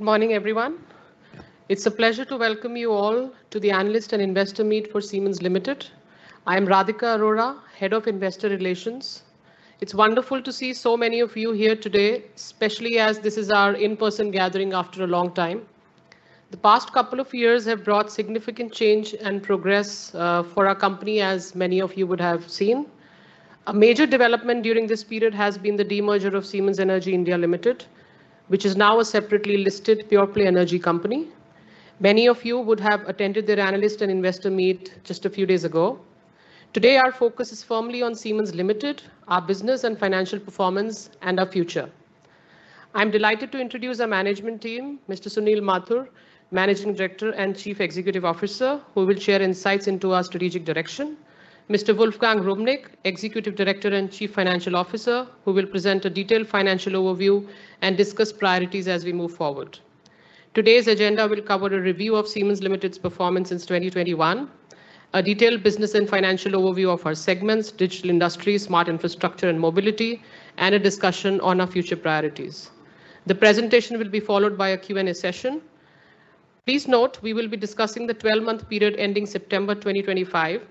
Good morning, everyone. It's a pleasure to welcome you all to the Analyst and Investor Meet for Siemens Limited. I am Radhika Arora, Head of Investor Relations. It's wonderful to see so many of you here today, especially as this is our in-person gathering after a long time. The past couple of years have brought significant change and progress for our company, as many of you would have seen. A major development during this period has been the demerger of Siemens Energy India Limited, which is now a separately listed pure-play energy company. Many of you would have attended their Analyst and Investor Meet just a few days ago. Today, our focus is firmly on Siemens Limited, our business and financial performance, and our future. I'm delighted to introduce our management team, Mr. Sunil Mathur, Managing Director and Chief Executive Officer, who will share insights into our strategic direction. Mr. Wolfgang Wrumnig, Executive Director and Chief Financial Officer, ho will present a detailed financial overview and discuss priorities as we move forward. Today's agenda will cover a review of Siemens Limited's performance since 2021, a detailed business and financial overview of our segments, Digital Industries, Smart Infrastructure and Mobility, and a discussion on our future priorities. The presentation will be followed by a Q&A session. Please note, we will be discussing the 12-month period ending September 2025.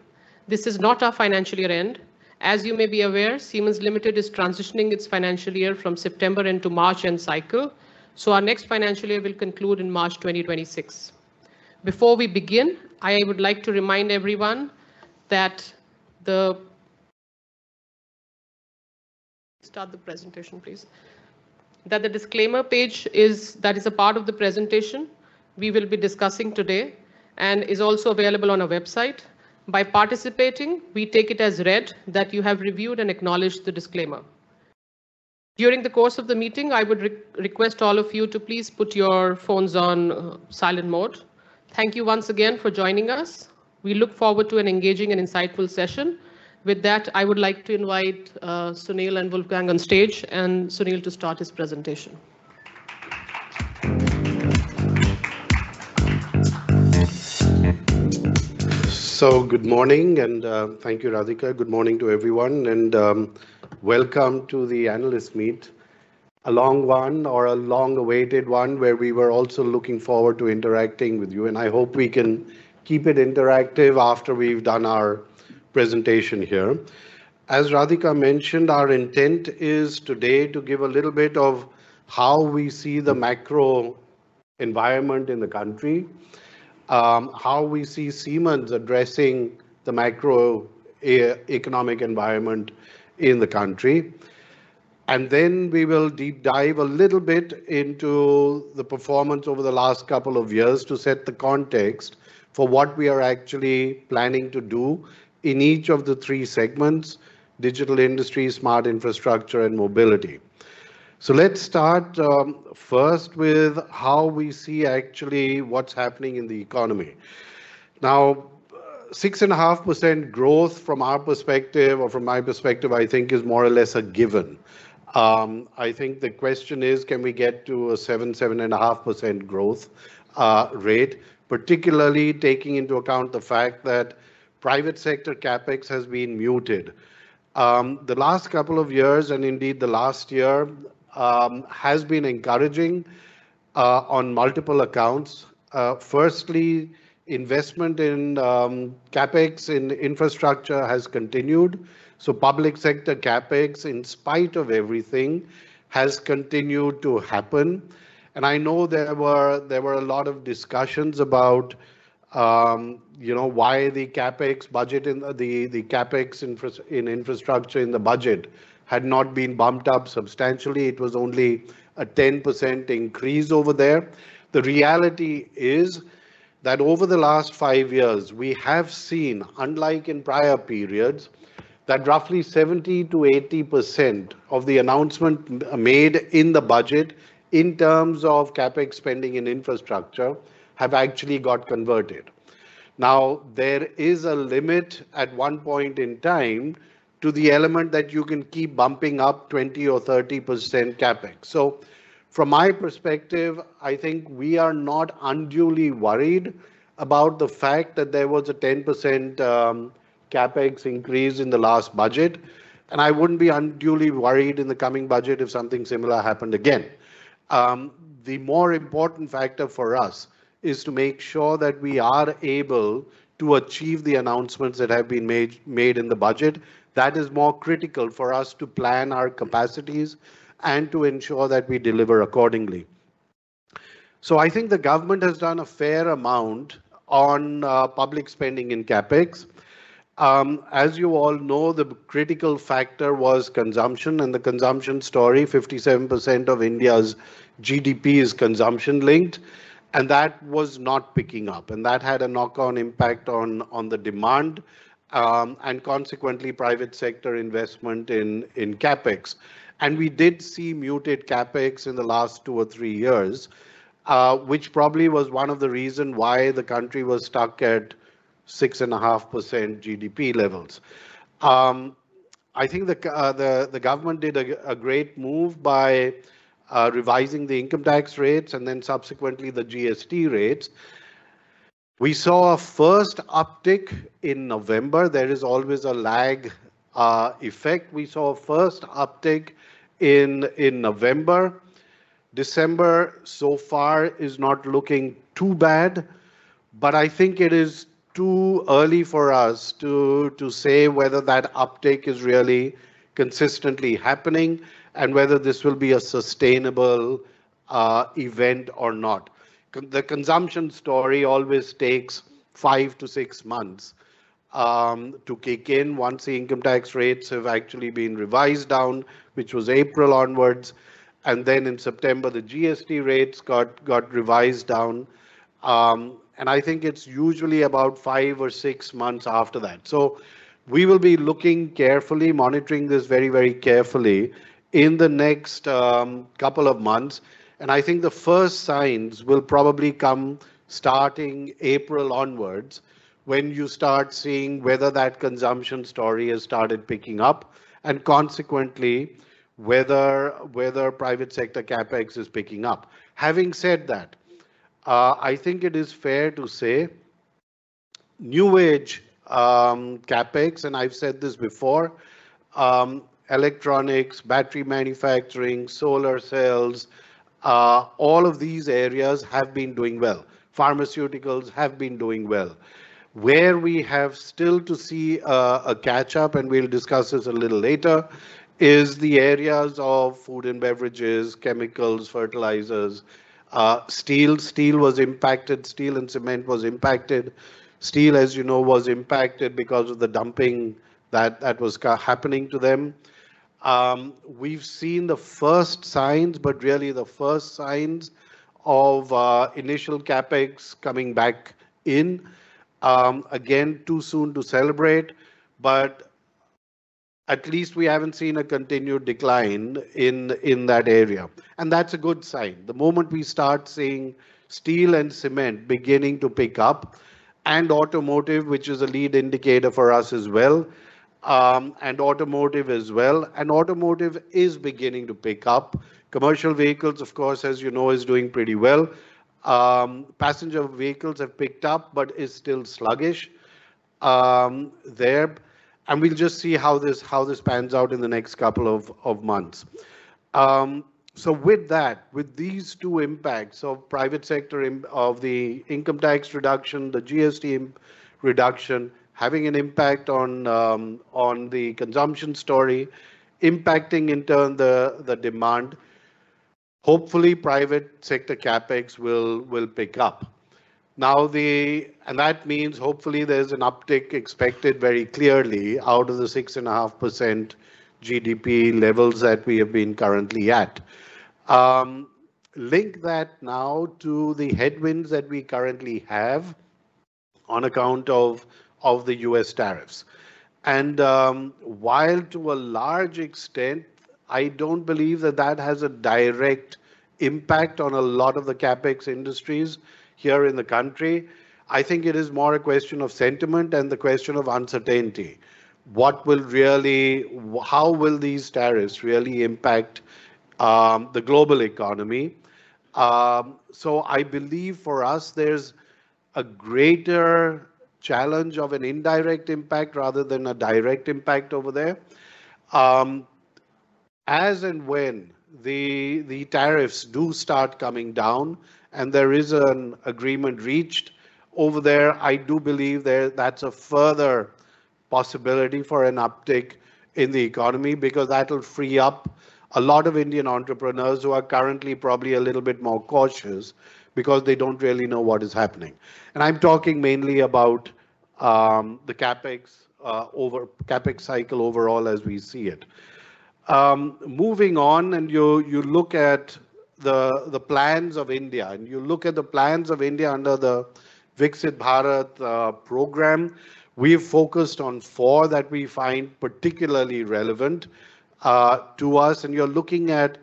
This is not our financial year end. As you may be aware, Siemens Limited is transitioning its financial year from September into March end cycle, so our next financial year will conclude in March 2026. Before we begin, I would like to remind everyone that the disclaimer page that is a part of the presentation we will be discussing today and is also available on our website. By participating, we take it as read that you have reviewed and acknowledged the disclaimer. During the course of the meeting, I would request all of you to please put your phones on silent mode. Thank you once again for joining us. We look forward to an engaging and insightful session. With that, I would like to invite Sunil and Wolfgang on stage and Sunil to start his presentation. Good morning, and thank you, Radhika. Good morning to everyone, and welcome to the Analyst Meet, a long one or a long-awaited one where we were also looking forward to interacting with you, and I hope we can keep it interactive after we've done our presentation here. As Radhika mentioned, our intent is today to give a little bit of how we see the macro environment in the country, how we see Siemens addressing the macroeconomic environment in the country, and then we will deep dive a little bit into the performance over the last couple of years to set the context for what we are actually planning to do in each of the three segments: Digital Industries, Smart Infrastructure, and Mobility. Let's start first with how we see actually what's happening in the economy. Now, 6.5% growth from our perspective, or from my perspective, I think is more or less a given. I think the question is, can we get to a 7%-7.5% growth rate, particularly taking into account the fact that private sector CapEx has been muted? The last couple of years, and indeed the last year, has been encouraging on multiple accounts. Firstly, investment in CapEx in infrastructure has continued. So public sector CapEx, in spite of everything, has continued to happen. And I know there were a lot of discussions about why the CapEx budget in infrastructure in the budget had not been bumped up substantially. It was only a 10% increase over there. The reality is that over the last five years, we have seen, unlike in prior periods, that roughly 70%-80% of the announcement made in the budget in terms of CapEx spending in infrastructure have actually got converted. Now, there is a limit at one point in time to the element that you can keep bumping up 20% or 30% CapEx. So from my perspective, I think we are not unduly worried about the fact that there was a 10% CapEx increase in the last budget, and I wouldn't be unduly worried in the coming budget if something similar happened again. The more important factor for us is to make sure that we are able to achieve the announcements that have been made in the budget. That is more critical for us to plan our capacities and to ensure that we deliver accordingly. I think the government has done a fair amount on public spending in CapEx. As you all know, the critical factor was consumption, and the consumption story, 57% of India's GDP is consumption-linked, and that was not picking up. And that had a knock-on impact on the demand and, consequently, private sector investment in CapEx. And we did see muted CapEx in the last two or three years, which probably was one of the reasons why the country was stuck at 6.5% GDP levels. I think the government did a great move by revising the income tax rates and then subsequently the GST rates. We saw a first uptick in November. There is always a lag effect. We saw a first uptick in November. December so far is not looking too bad, but i think it is too early for us to say whether that uptick is really consistently happening and whether this will be a sustainable event or not. The consumption story always takes five to six months to kick in once the income tax rates have actually been revised down, which was April onwards, and then in September, the GST rates got revised down, and I think it's usually about five or six months after that, so we will be looking carefully, monitoring this very, very carefully in the next couple of months, and I think the first signs will probably come starting April onwards when you start seeing whether that consumption story has started picking up and, consequently, whether private sector CapEx is picking up. Having said that, I think it is fair to say new age CapEx, and I've said this before, electronics, battery manufacturing, solar cells, all of these areas have been doing well. Pharmaceuticals have been doing well. Where we have still to see a catch-up, and we'll discuss this a little later, is the areas of food and beverages, chemicals, fertilizers. Steel was impacted. Steel and cement was impacted. Steel, as you know, was impacted because of the dumping that was happening to them. We've seen the first signs, but really the first signs of initial CapEx coming back in. Again, too soon to celebrate, but at least we haven't seen a continued decline in that area, and that's a good sign. The moment we start seeing steel and cement beginning to pick up, and automotive, which is a lead indicator for us as well, and automotive as well, and automotive is beginning to pick up. Commercial vehicles, of course, as you know, is doing pretty well. Passenger vehicles have picked up, but it's still sluggish there, and we'll just see how this pans out in the next couple of months, so with that, with these two impacts of private sector, of the income tax reduction, the GST reduction having an impact on the consumption story, impacting in turn the demand, hopefully private sector CapEx will pick up. Now and that means hopefully there's an uptick expected very clearly out of the 6.5% GDP levels that we have been currently at. Link that now to the headwinds that we currently have on account of the U.S. tariffs. While to a large extent, I don't believe that that has a direct impact on a lot of the CapEx industries here in the country, I think it is more a question of sentiment and the question of uncertainty. What will really, how will these tariffs really impact the global economy? So I believe for us, there's a greater challenge of an indirect impact rather than a direct impact over there. As and when the tariffs do start coming down and there is an agreement reached over there, I do believe that's a further possibility for an uptick in the economy because that'll free up a lot of Indian entrepreneurs who are currently probably a little bit more cautious because they don't really know what is happening. And I'm talking mainly about the CapEx cycle overall as we see it. Moving on, and you look at the plans of India, and you look at the plans of India under the Viksit Bharat program, we've focused on four that we find particularly relevant to us. You're looking at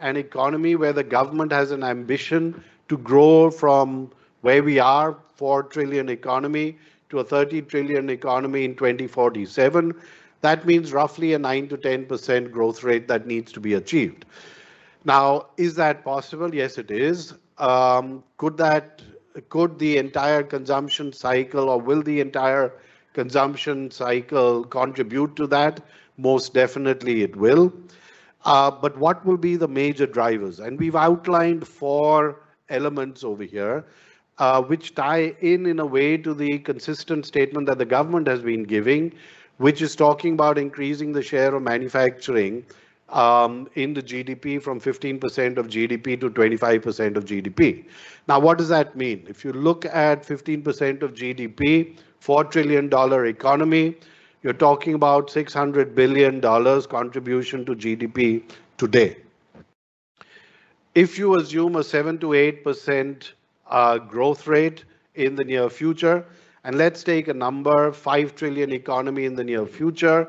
an economy where the government has an ambition to grow from where we are, a $4 trillion economy, to a $30 trillion economy in 2047. That means roughly a 9% to 10% growth rate that needs to be achieved. Now, is that possible? Yes, it is. Could the entire consumption cycle, or will the entire consumption cycle contribute to that? Most definitely it will. But what will be the major drivers? We've outlined four elements over here, which tie in in a way to the consistent statement that the government has been giving, which is talking about increasing the share of manufacturing in the GDP from 15% of GDP to 25% of GDP. Now, what does that mean? If you look at 15% of GDP, $4 trillion economy, you're talking about $600 billion contribution to GDP today. If you assume a 7% to 8% growth rate in the near future, and let's take a number, $5 trillion economy in the near future,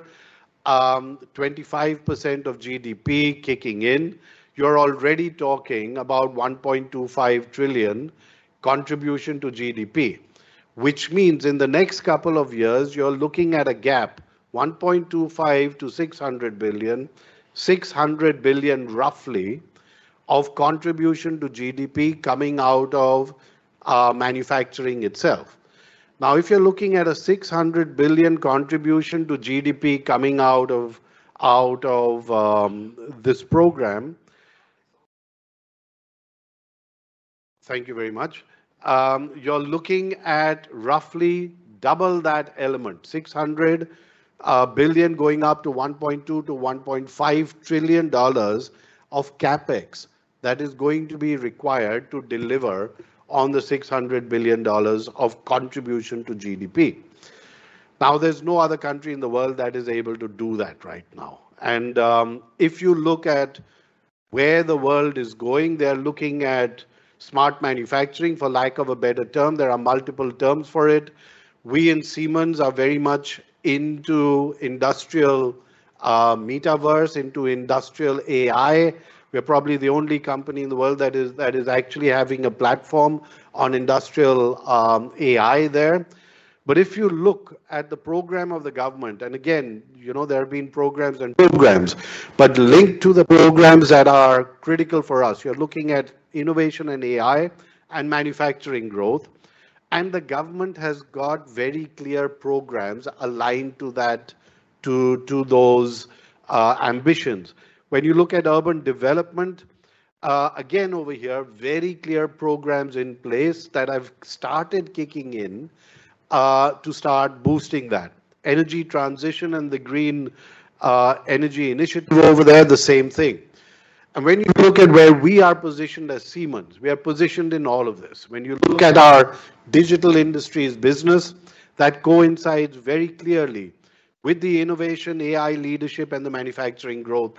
25% of GDP kicking in, you're already talking about $1.25 trillion contribution to GDP, which means in the next couple of years, you're looking at a gap, $1.25 to 600 billion, $600 billion roughly of contribution to GDP coming out of manufacturing itself. Now, if you're looking at a $600 billion contribution to GDP coming out of this program, thank you very much, you're looking at roughly double that element, $600 billion going up to $1.2 to 1.5 trillion of CapEx that is going to be required to deliver on the $600 billion of contribution to GDP. Now, there's no other country in the world that is able to do that right now. And if you look at where the world is going, they're looking at smart manufacturing, for lack of a better term. There are multiple terms for it. We in Siemens are very much into industrial metaverse, into industrial AI. We're probably the only company in the world that is actually having a platform on industrial AI there. If you look at the program of the government, and again, there have been programs and programs, but linked to the programs that are critical for us, you're looking at innovation and AI and manufacturing growth. And the government has got very clear programs aligned to those ambitions. When you look at urban development, again, over here, very clear programs in place that have started kicking in to start boosting that. Energy transition and the green energy initiative over there, the same thing. And when you look at where we are positioned as Siemens, we are positioned in all of this. When you look at our Digital Industries business, that coincides very clearly with the innovation, AI leadership, and the manufacturing growth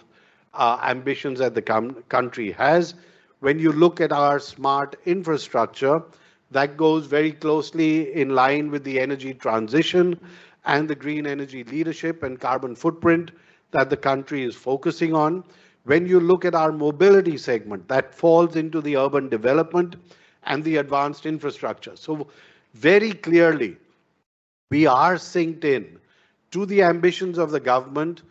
ambitions that the country has. When you look at our Smart Infrastructure, that goes very closely in line with the energy transition and the green energy leadership and carbon footprint that the country is focusing on. When you look at our Mobility segment, that falls into the urban development and the advanced infrastructure. So very clearly, we are synced in to the ambitions of the government,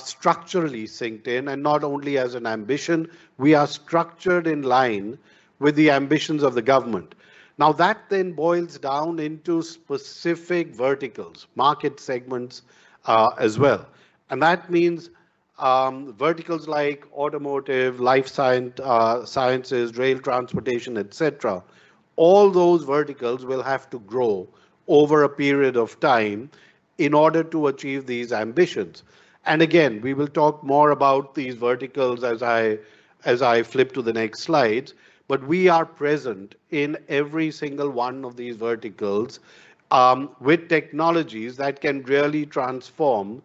structurally synced in, and not only as an ambition, we are structured in line with the ambitions of the government. Now, that then boils down into specific verticals, market segments as well. And that means verticals like automotive, life sciences, rail transportation, etc. All those verticals will have to grow over a period of time in order to achieve these ambitions. We will talk more about these verticals as I flip to the next slides, but we are present in every single one of these verticals with technologies that can really transform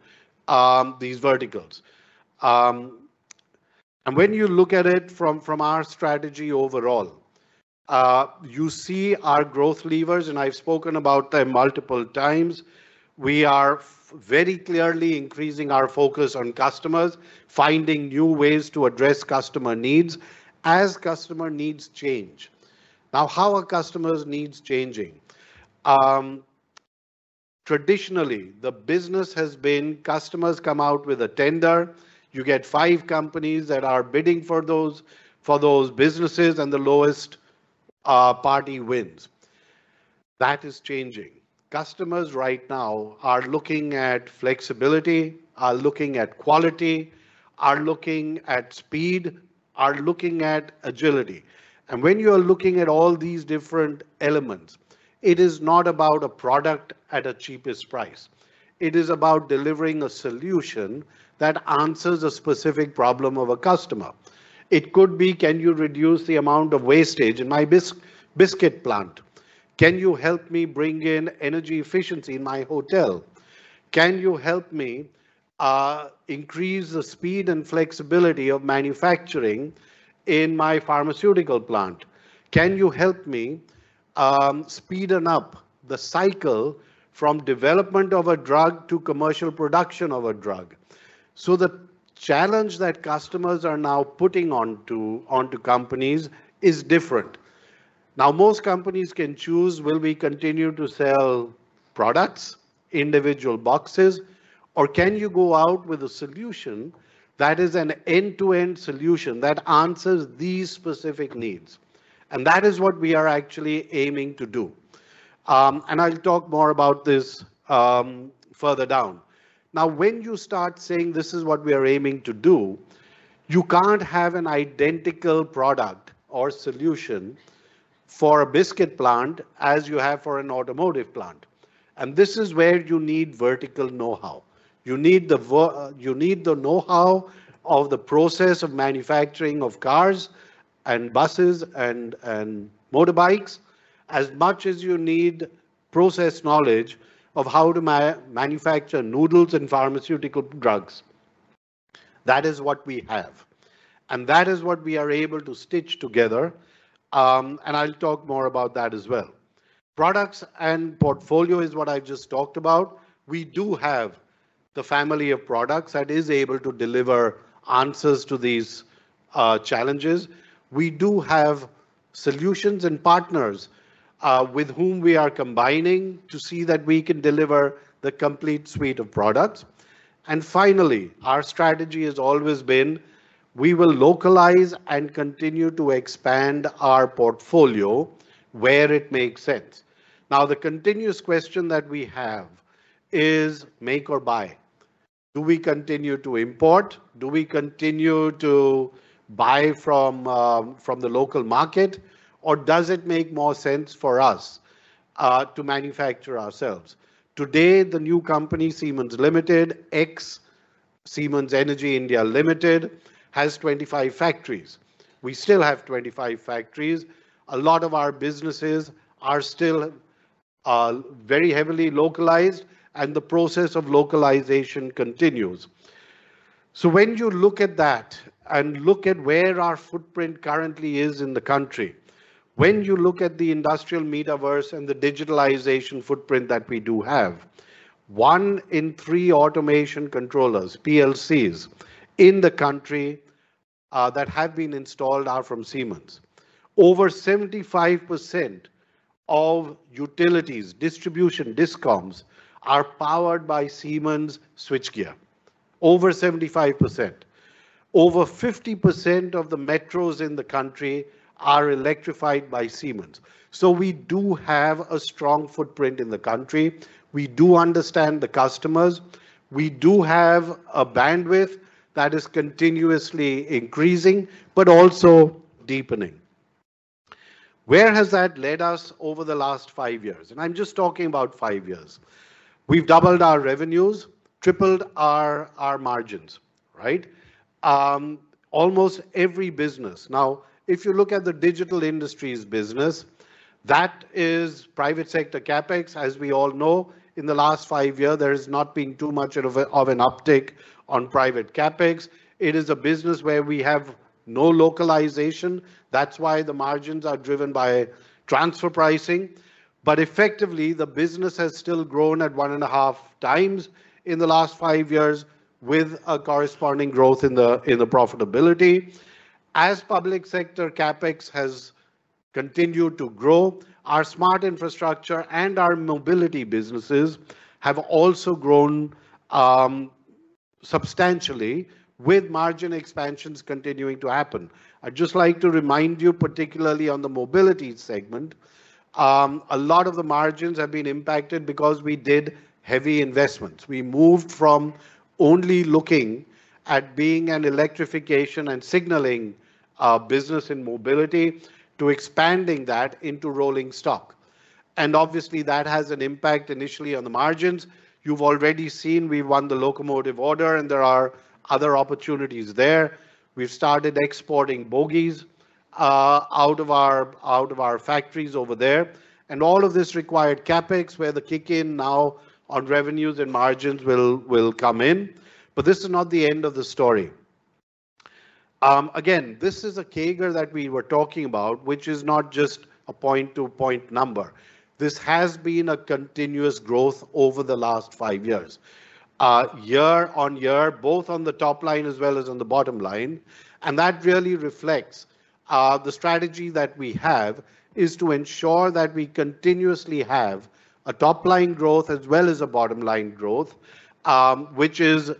these verticals. And when you look at it from our strategy overall, you see our growth levers, and I've spoken about them multiple times. We are very clearly increasing our focus on customers, finding new ways to address customer needs as customer needs change. Now, how are customers' needs changing? Traditionally, the business has been customers come out with a tender, you get five companies that are bidding for those businesses, and the lowest party wins. That is changing. Customers right now are looking at flexibility, are looking at quality, are looking at speed, are looking at agility. When you are looking at all these different elements, it is not about a product at a cheapest price. It is about delivering a solution that answers a specific problem of a customer. It could be, can you reduce the amount of wastage in my biscuit plant? Can you help me bring in energy efficiency in my hotel? Can you help me increase the speed and flexibility of manufacturing in my pharmaceutical plant? Can you help me speed up the cycle from development of a drug to commercial production of a drug? So the challenge that customers are now putting onto companies is different. Now, most companies can choose, will we continue to sell products, individual boxes, or can you go out with a solution that is an end-to-end solution that answers these specific needs? And that is what we are actually aiming to do. I'll talk more about this further down. Now, when you start saying, "This is what we are aiming to do," you can't have an identical product or solution for a biscuit plant as you have for an automotive plant. This is where you need vertical know-how. You need the know-how of the process of manufacturing of cars and buses and motorbikes as much as you need process knowledge of how to manufacture noodles and pharmaceutical drugs. That is what we have. That is what we are able to stitch together. I'll talk more about that as well. Products and portfolio is what I've just talked about. We do have the family of products that is able to deliver answers to these challenges. We do have solutions and partners with whom we are combining to see that we can deliver the complete suite of products. Finally, our strategy has always been, we will localize and continue to expand our portfolio where it makes sense. Now, the continuous question that we have is, make or buy? Do we continue to import? Do we continue to buy from the local market? Or does it make more sense for us to manufacture ourselves? Today, the new company, Siemens Limited, ex-Siemens Energy India Limited, has 25 factories. We still have 25 factories. A lot of our businesses are still very heavily localized, and the process of localization continues. So when you look at that and look at where our footprint currently is in the country, when you look at the industrial metaverse and the digitalization footprint that we do have, one in three automation controllers, PLCs in the country that have been installed are from Siemens. Over 75% of utilities, distribution discoms are powered by Siemens Switchgear. Over 50% of the metros in the country are electrified by Siemens. So we do have a strong footprint in the country. We do understand the customers. We do have a bandwidth that is continuously increasing, but also deepening. Where has that led us over the last five years, and I'm just talking about five years? We've doubled our revenues, tripled our margins, right? Almost every business. Now, if you look at the Digital Industries business, that is private sector CapEx, as we all know. In the last five years, there has not been too much of an uptick on private CapEx. It is a business where we have no localization. That's why the margins are driven by transfer pricing. But effectively, the business has still grown at one and a half times in the last five years with a corresponding growth in the profitability. As public sector CapEx has continued to grow, our Smart Infrastructure and our Mobility businesses have also grown substantially with margin expansions continuing to happen. I'd just like to remind you, particularly on the Mobility segment, a lot of the margins have been impacted because we did heavy investments. We moved from only looking at being an electrification and signaling business in Mobility to expanding that into rolling stock. Obviously, that has an impact initially on the margins. You've already seen we won the locomotive order, and there are other opportunities there. We've started exporting bogies out of our factories over there. All of this required CapEx, where the kick-in now on revenues and margins will come in. This is not the end of the story. Again, this is a CAGR that we were talking about, which is not just a point-to-point number. This has been a continuous growth over the last five years, year on year, both on the top line as well as on the bottom line, and that really reflects the strategy that we have is to ensure that we continuously have a top-line growth as well as a bottom-line growth, which is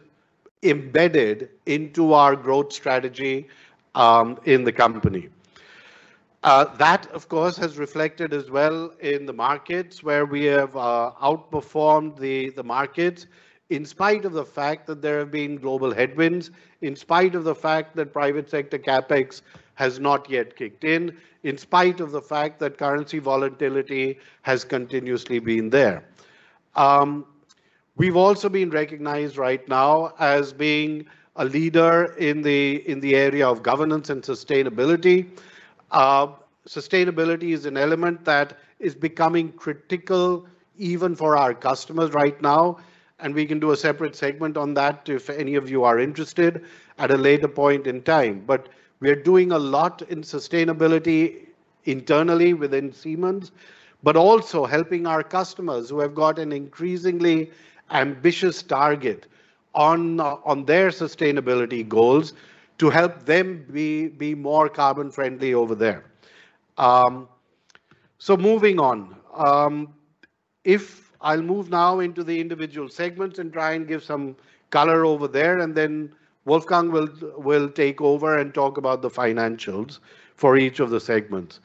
embedded into our growth strategy in the company. That, of course, has reflected as well in the markets where we have outperformed the markets in spite of the fact that there have been global headwinds, in spite of the fact that private sector CapEx has not yet kicked in, in spite of the fact that currency volatility has continuously been there. We've also been recognized right now as being a leader in the area of governance and sustainability. Sustainability is an element that is becoming critical even for our customers right now. We can do a separate segment on that if any of you are interested at a later point in time. We are doing a lot in sustainability internally within Siemens, but also helping our customers who have got an increasingly ambitious target on their sustainability goals to help them be more carbon-friendly over there. Moving on, I'll move now into the individual segments and try and give some color over there, and then Wolfgang will take over and talk about the financials for each of the segments.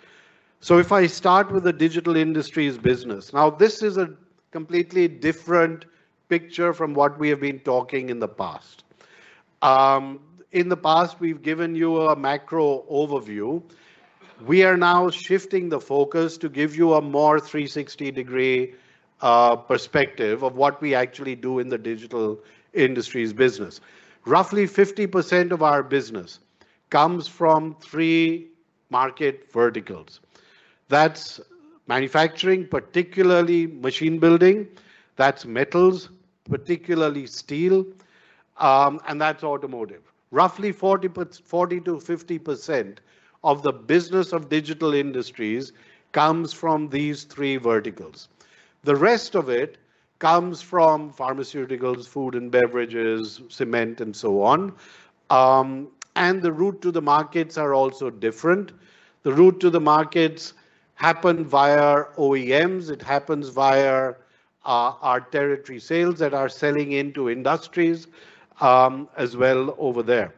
If I start with the Digital Industries business, now this is a completely different picture from what we have been talking in the past. In the past, we've given you a macro overview. We are now shifting the focus to give you a more 360-degree perspective of what we actually do in the Digital Industries business. Roughly 50% of our business comes from three market verticals. That's manufacturing, particularly machine building. That's metals, particularly steel, and that's automotive. Roughly 40% to 50% of the business of Digital Industries comes from these three verticals. The rest of it comes from pharmaceuticals, food and beverages, cement, and so on. And the route to the markets are also different. The route to the markets happens via OEMs. It happens via our territory sales that are selling into industries as well over there.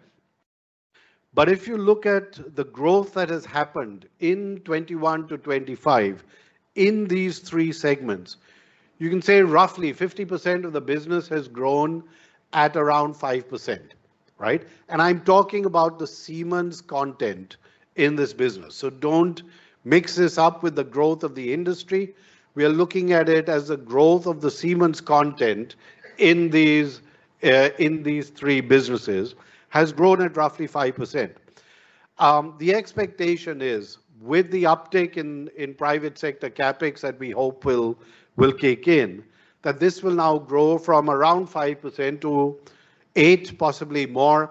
But if you look at the growth that has happened in 2021-2025 in these three segments, you can say roughly 50% of the business has grown at around 5%, right? And I'm talking about the Siemens content in this business. So don't mix this up with the growth of the industry. We are looking at it as the growth of the Siemens content in these three businesses has grown at roughly 5%. The expectation is, with the uptake in private sector CapEx that we hope will kick in, that this will now grow from around 5% to 8%, possibly more,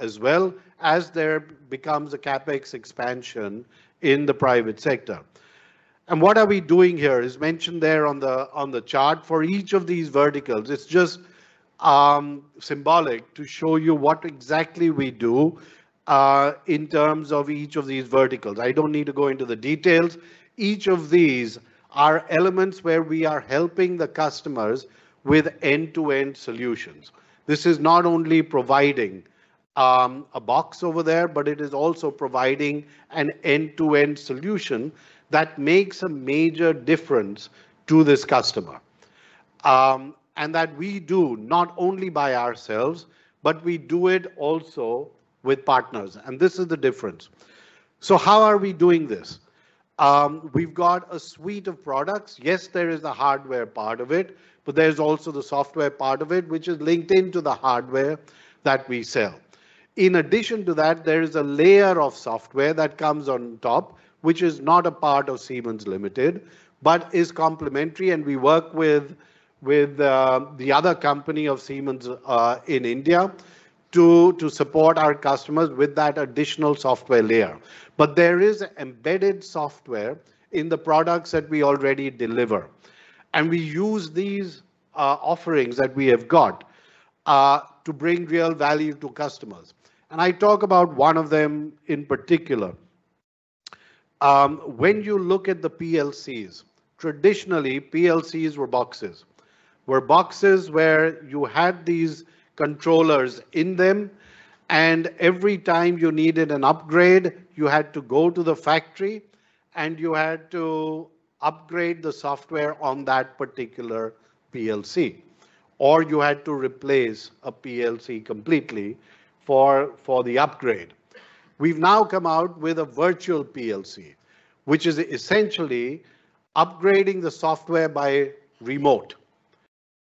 as well as there becomes a CapEx expansion in the private sector. And what we are doing here is mentioned there on the chart for each of these verticals. It's just symbolic to show you what exactly we do in terms of each of these verticals. I don't need to go into the details. Each of these are elements where we are helping the customers with end-to-end solutions. This is not only providing a box over there, but it is also providing an end-to-end solution that makes a major difference to this customer. We do not only by ourselves, but we do it also with partners. And this is the difference. So how are we doing this? We've got a suite of products. Yes, there is the hardware part of it, but there's also the software part of it, which is linked into the hardware that we sell. In addition to that, there is a layer of software that comes on top, which is not a part of Siemens Limited, but is complementary. And we work with the other company of Siemens in India to support our customers with that additional software layer. But there is embedded software in the products that we already deliver. And we use these offerings that we have got to bring real value to customers. And I talk about one of them in particular. When you look at the PLCs, traditionally, PLCs were boxes. Were boxes where you had these controllers in them, and every time you needed an upgrade, you had to go to the factory and you had to upgrade the software on that particular PLC, or you had to replace a PLC completely for the upgrade. We've now come out with a virtual PLC, which is essentially upgrading the software remotely.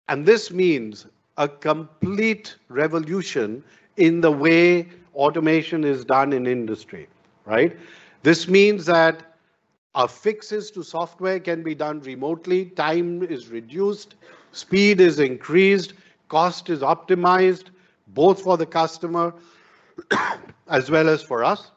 And this means a complete revolution in the way automation is done in industry, right? This means that fixes to software can be done remotely. Time is reduced, speed is increased, cost is optimized both for the customer as well as for us.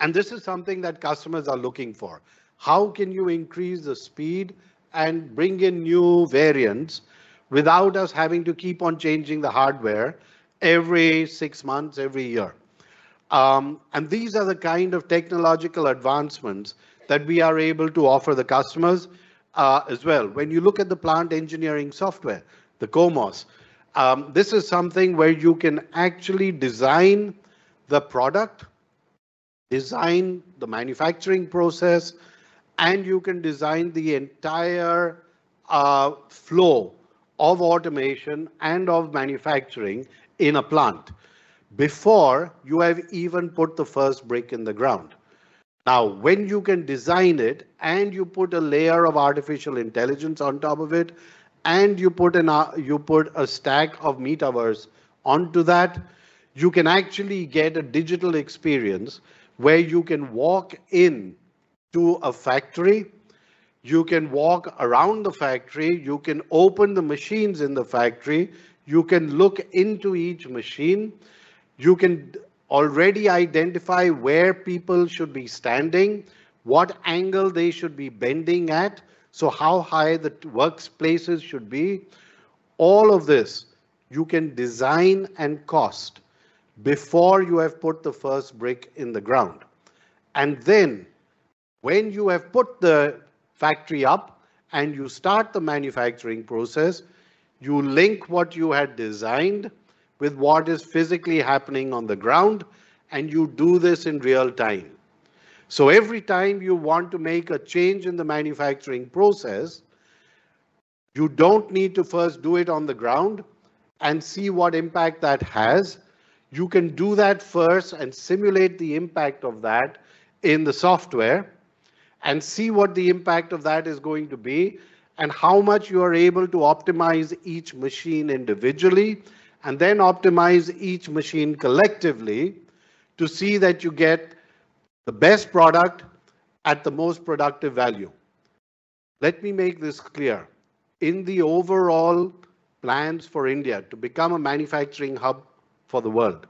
And this is something that customers are looking for. How can you increase the speed and bring in new variants without us having to keep on changing the hardware every six months, every year? These are the kind of technological advancements that we are able to offer the customers as well. When you look at the plant engineering software, the COMOS, this is something where you can actually design the product, design the manufacturing process, and you can design the entire flow of automation and of manufacturing in a plant before you have even put the first brick in the ground. Now, when you can design it and you put a layer of artificial intelligence on top of it, and you put a stack of metaverse onto that, you can actually get a digital experience where you can walk into a factory. You can walk around the factory. You can open the machines in the factory. You can look into each machine. You can already identify where people should be standing, what angle they should be bending at, so how high the workspaces should be. All of this, you can design and cost before you have put the first brick in the ground, and then when you have put the factory up and you start the manufacturing process, you link what you had designed with what is physically happening on the ground, and you do this in real time, so every time you want to make a change in the manufacturing process, you don't need to first do it on the ground and see what impact that has. You can do that first and simulate the impact of that in the software and see what the impact of that is going to be and how much you are able to optimize each machine individually and then optimize each machine collectively to see that you get the best product at the most productive value. Let me make this clear. In the overall plans for India to become a manufacturing hub for the world,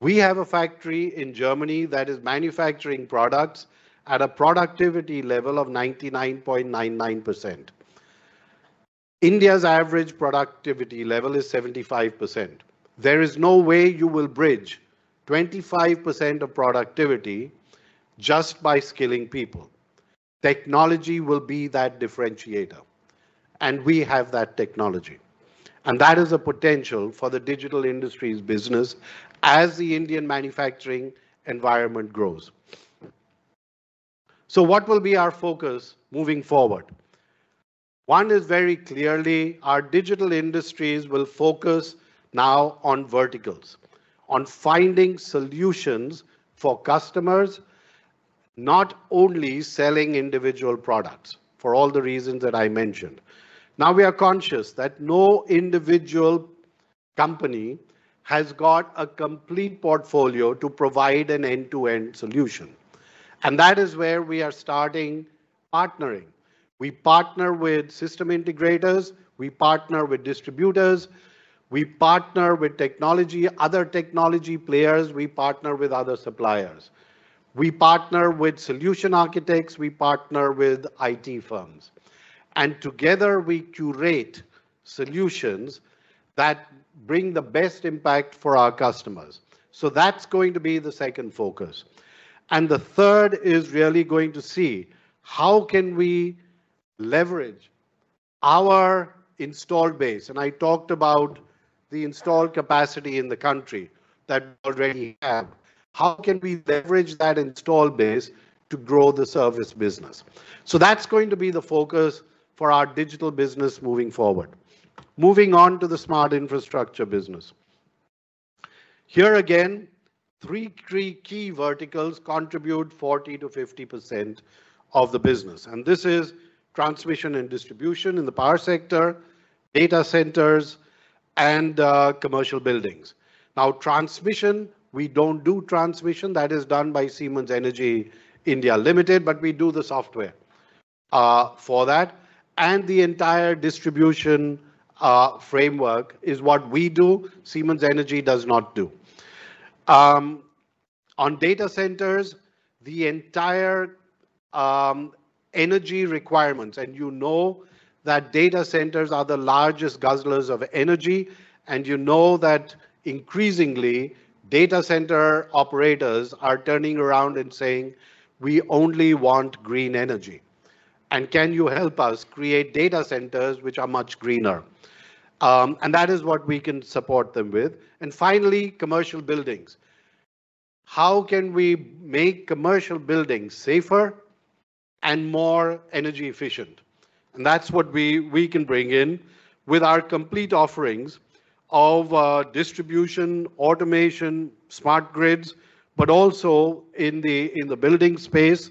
we have a factory in Germany that is manufacturing products at a productivity level of 99.99%. India's average productivity level is 75%. There is no way you will bridge 25% of productivity just by skilling people. Technology will be that differentiator, and we have that technology. And that is a potential for the Digital Industries business as the Indian manufacturing environment grows, so what will be our focus moving forward? One is very clearly our Digital Industries will focus now on verticals, on finding solutions for customers, not only selling individual products for all the reasons that I mentioned. Now we are conscious that no individual company has got a complete portfolio to provide an end-to-end solution. And that is where we are starting partnering. We partner with system integrators. We partner with distributors. We partner with technology, other technology players. We partner with other suppliers. We partner with solution architects. We partner with IT firms. And together, we curate solutions that bring the best impact for our customers. So that's going to be the second focus. And the third is really going to see how can we leverage our installed base. And I talked about the installed capacity in the country that we already have. How can we leverage that installed base to grow the service business? That's going to be the focus for our digital business moving forward. Moving on to the Smart Infrastructure business. Here again, three key verticals contribute 40%-50% of the business. This is transmission and distribution in the power sector, data centers, and commercial buildings. Now, transmission, we don't do transmission. That is done by Siemens Energy India Limited, but we do the software for that. The entire distribution framework is what we do. Siemens Energy does not do. On data centers, the entire energy requirements, and you know that data centers are the largest guzzlers of energy, and you know that increasingly data center operators are turning around and saying, "We only want green energy. And can you help us create data centers which are much greener?" That is what we can support them with. Finally, commercial buildings. How can we make commercial buildings safer and more energy efficient? And that's what we can bring in with our complete offerings of distribution, automation, smart grids, but also in the building space,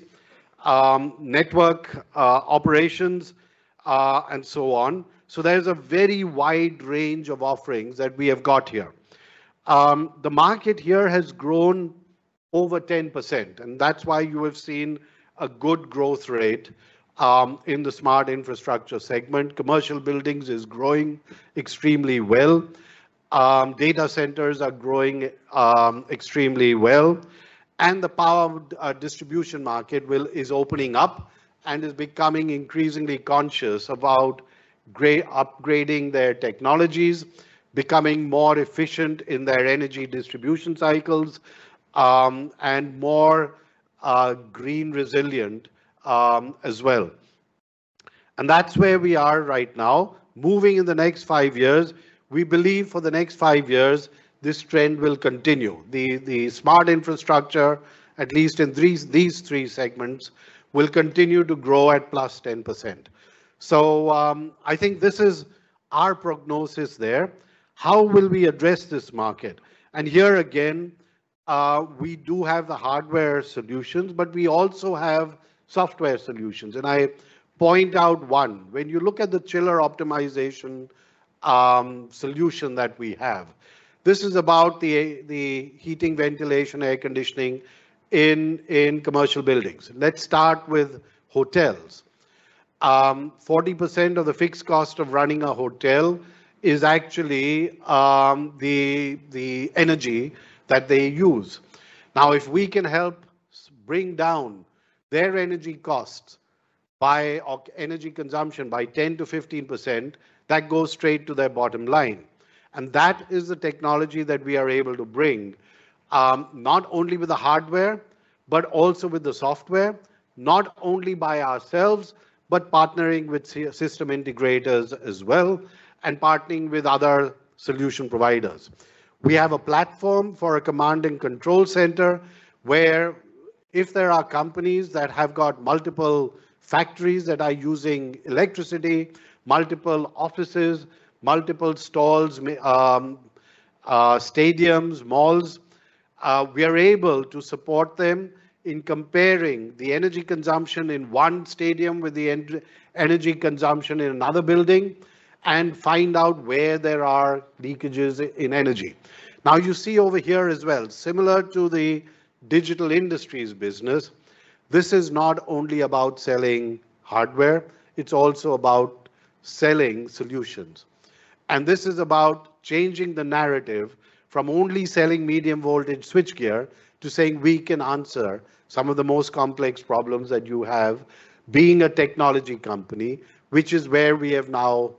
network operations, and so on. So there's a very wide range of offerings that we have got here. The market here has grown over 10%, and that's why you have seen a good growth rate in the Smart Infrastructure segment. Commercial buildings are growing extremely well. Data centers are growing extremely well. And the power distribution market is opening up and is becoming increasingly conscious about upgrading their technologies, becoming more efficient in their energy distribution cycles, and more green resilient as well. And that's where we are right now. Moving in the next five years, we believe for the next five years, this trend will continue. The Smart Infrastructure, at least in these three segments, will continue to grow at 10%. So I think this is our prognosis there. How will we address this market? And here again, we do have the hardware solutions, but we also have software solutions. And I point out one. When you look at the chiller optimization solution that we have, this is about the heating, ventilation, air conditioning in commercial buildings. Let's start with hotels. 40% of the fixed cost of running a hotel is actually the energy that they use. Now, if we can help bring down their energy costs by energy consumption by 10% to 15%, that goes straight to their bottom line. That is the technology that we are able to bring, not only with the hardware, but also with the software, not only by ourselves, but partnering with system integrators as well and partnering with other solution providers. We have a platform for a command and control center where if there are companies that have got multiple factories that are using electricity, multiple offices, multiple stalls, stadiums, malls, we are able to support them in comparing the energy consumption in one stadium with the energy consumption in another building and find out where there are leakages in energy. Now, you see over here as well, similar to the Digital Industries business, this is not only about selling hardware. It's also about selling solutions. This is about changing the narrative from only selling medium voltage switchgear to saying we can answer some of the most complex problems that you have being a technology company, which is where we have now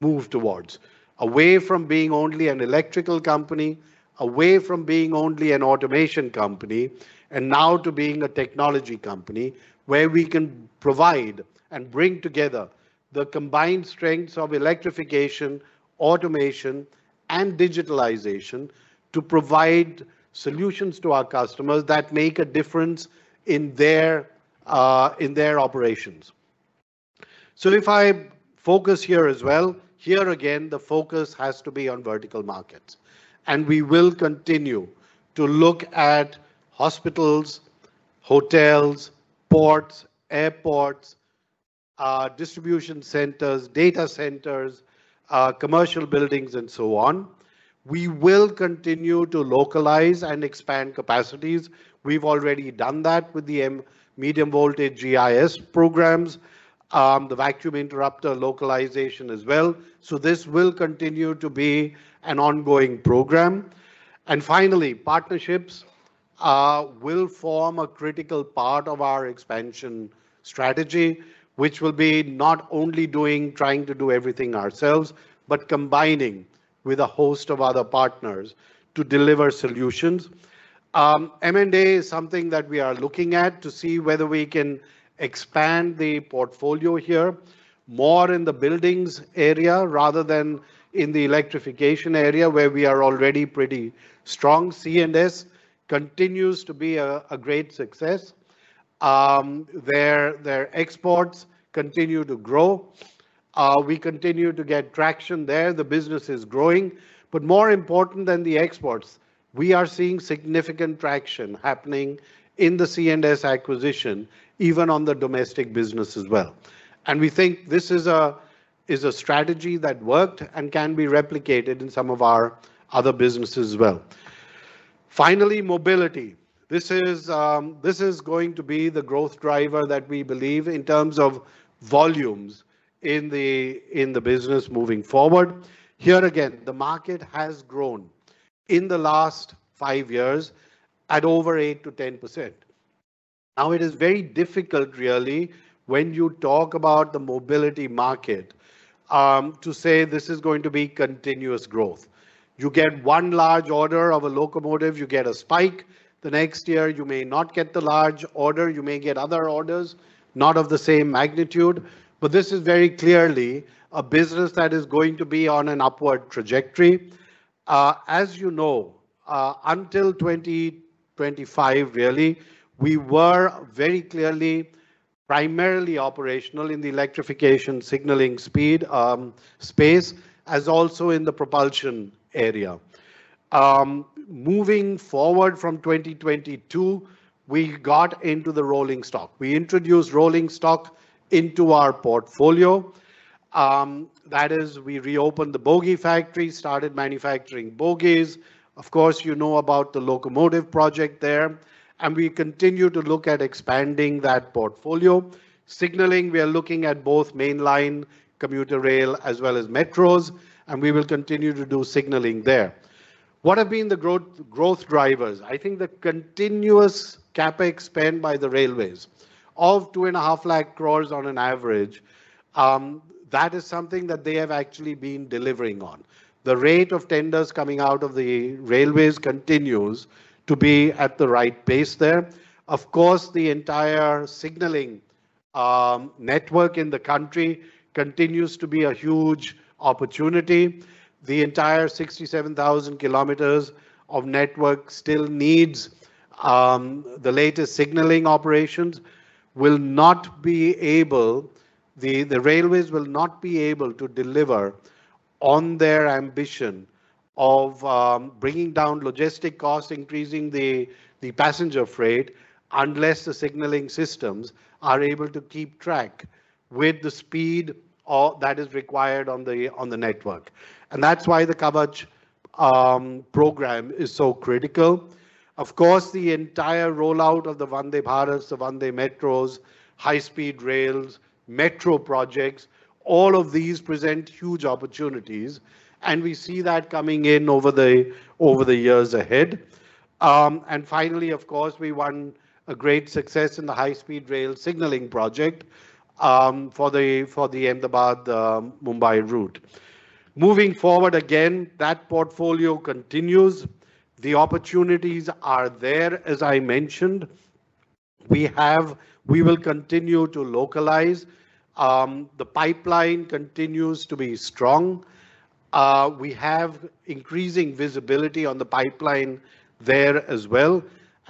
moved towards. Away from being only an electrical company, away from being only an automation company, and now to being a technology company where we can provide and bring together the combined strengths of electrification, automation, and digitalization to provide solutions to our customers that make a difference in their operations. If I focus here as well, here again, the focus has to be on vertical markets. We will continue to look at hospitals, hotels, ports, airports, distribution centers, data centers, commercial buildings, and so on. We will continue to localize and expand capacities. We've already done that with the medium voltage GIS programs, the vacuum interrupter localization as well. This will continue to be an ongoing program. And finally, partnerships will form a critical part of our expansion strategy, which will be not only trying to do everything ourselves, but combining with a host of other partners to deliver solutions. M&A is something that we are looking at to see whether we can expand the portfolio here more in the buildings area rather than in the electrification area where we are already pretty strong. C&S continues to be a great success. Their exports continue to grow. We continue to get traction there. The business is growing. But more important than the exports, we are seeing significant traction happening in the C&S acquisition, even on the domestic business as well. And we think this is a strategy that worked and can be replicated in some of our other businesses as well. Finally, Mobility. This is going to be the growth driver that we believe in terms of volumes in the business moving forward. Here again, the market has grown in the last five years at over 8%-10%. Now, it is very difficult really when you talk about the Mobility market to say this is going to be continuous growth. You get one large order of a locomotive, you get a spike. The next year, you may not get the large order. You may get other orders, not of the same magnitude. But this is very clearly a business that is going to be on an upward trajectory. As you know, until 2025 really, we were very clearly primarily operational in the electrification signaling space, as also in the propulsion area. Moving forward from 2022, we got into the rolling stock. We introduced rolling stock into our portfolio. That is, we reopened the bogie factory, started manufacturing bogies. Of course, you know about the locomotive project there, and we continue to look at expanding that portfolio. Signaling, we are looking at both mainline, commuter rail, as well as metros, and we will continue to do signaling there. What have been the growth drivers? I think the continuous CapEx spent by the railways of 2.5 lakh crores on average, that is something that they have actually been delivering on. The rate of tenders coming out of the railways continues to be at the right pace there. Of course, the entire signaling network in the country continues to be a huge opportunity. The entire 67,000 km of network still needs the latest signaling. Operations will not be able. The railways will not be able to deliver on their ambition of bringing down logistics costs, increasing the passenger freight unless the signaling systems are able to keep pace with the speed that is required on the network. And that's why the Kavach program is so critical. Of course, the entire rollout of the Vande Bharat, the Vande Metro, high-speed rails, metro projects, all of these present huge opportunities. And we see that coming in over the years ahead. And finally, of course, we won a great success in the high-speed rail signaling project for the Ahmedabad-Mumbai route. Moving forward again, that portfolio continues. The opportunities are there, as I mentioned. We will continue to localize. The pipeline continues to be strong. We have increasing visibility on the pipeline there as well.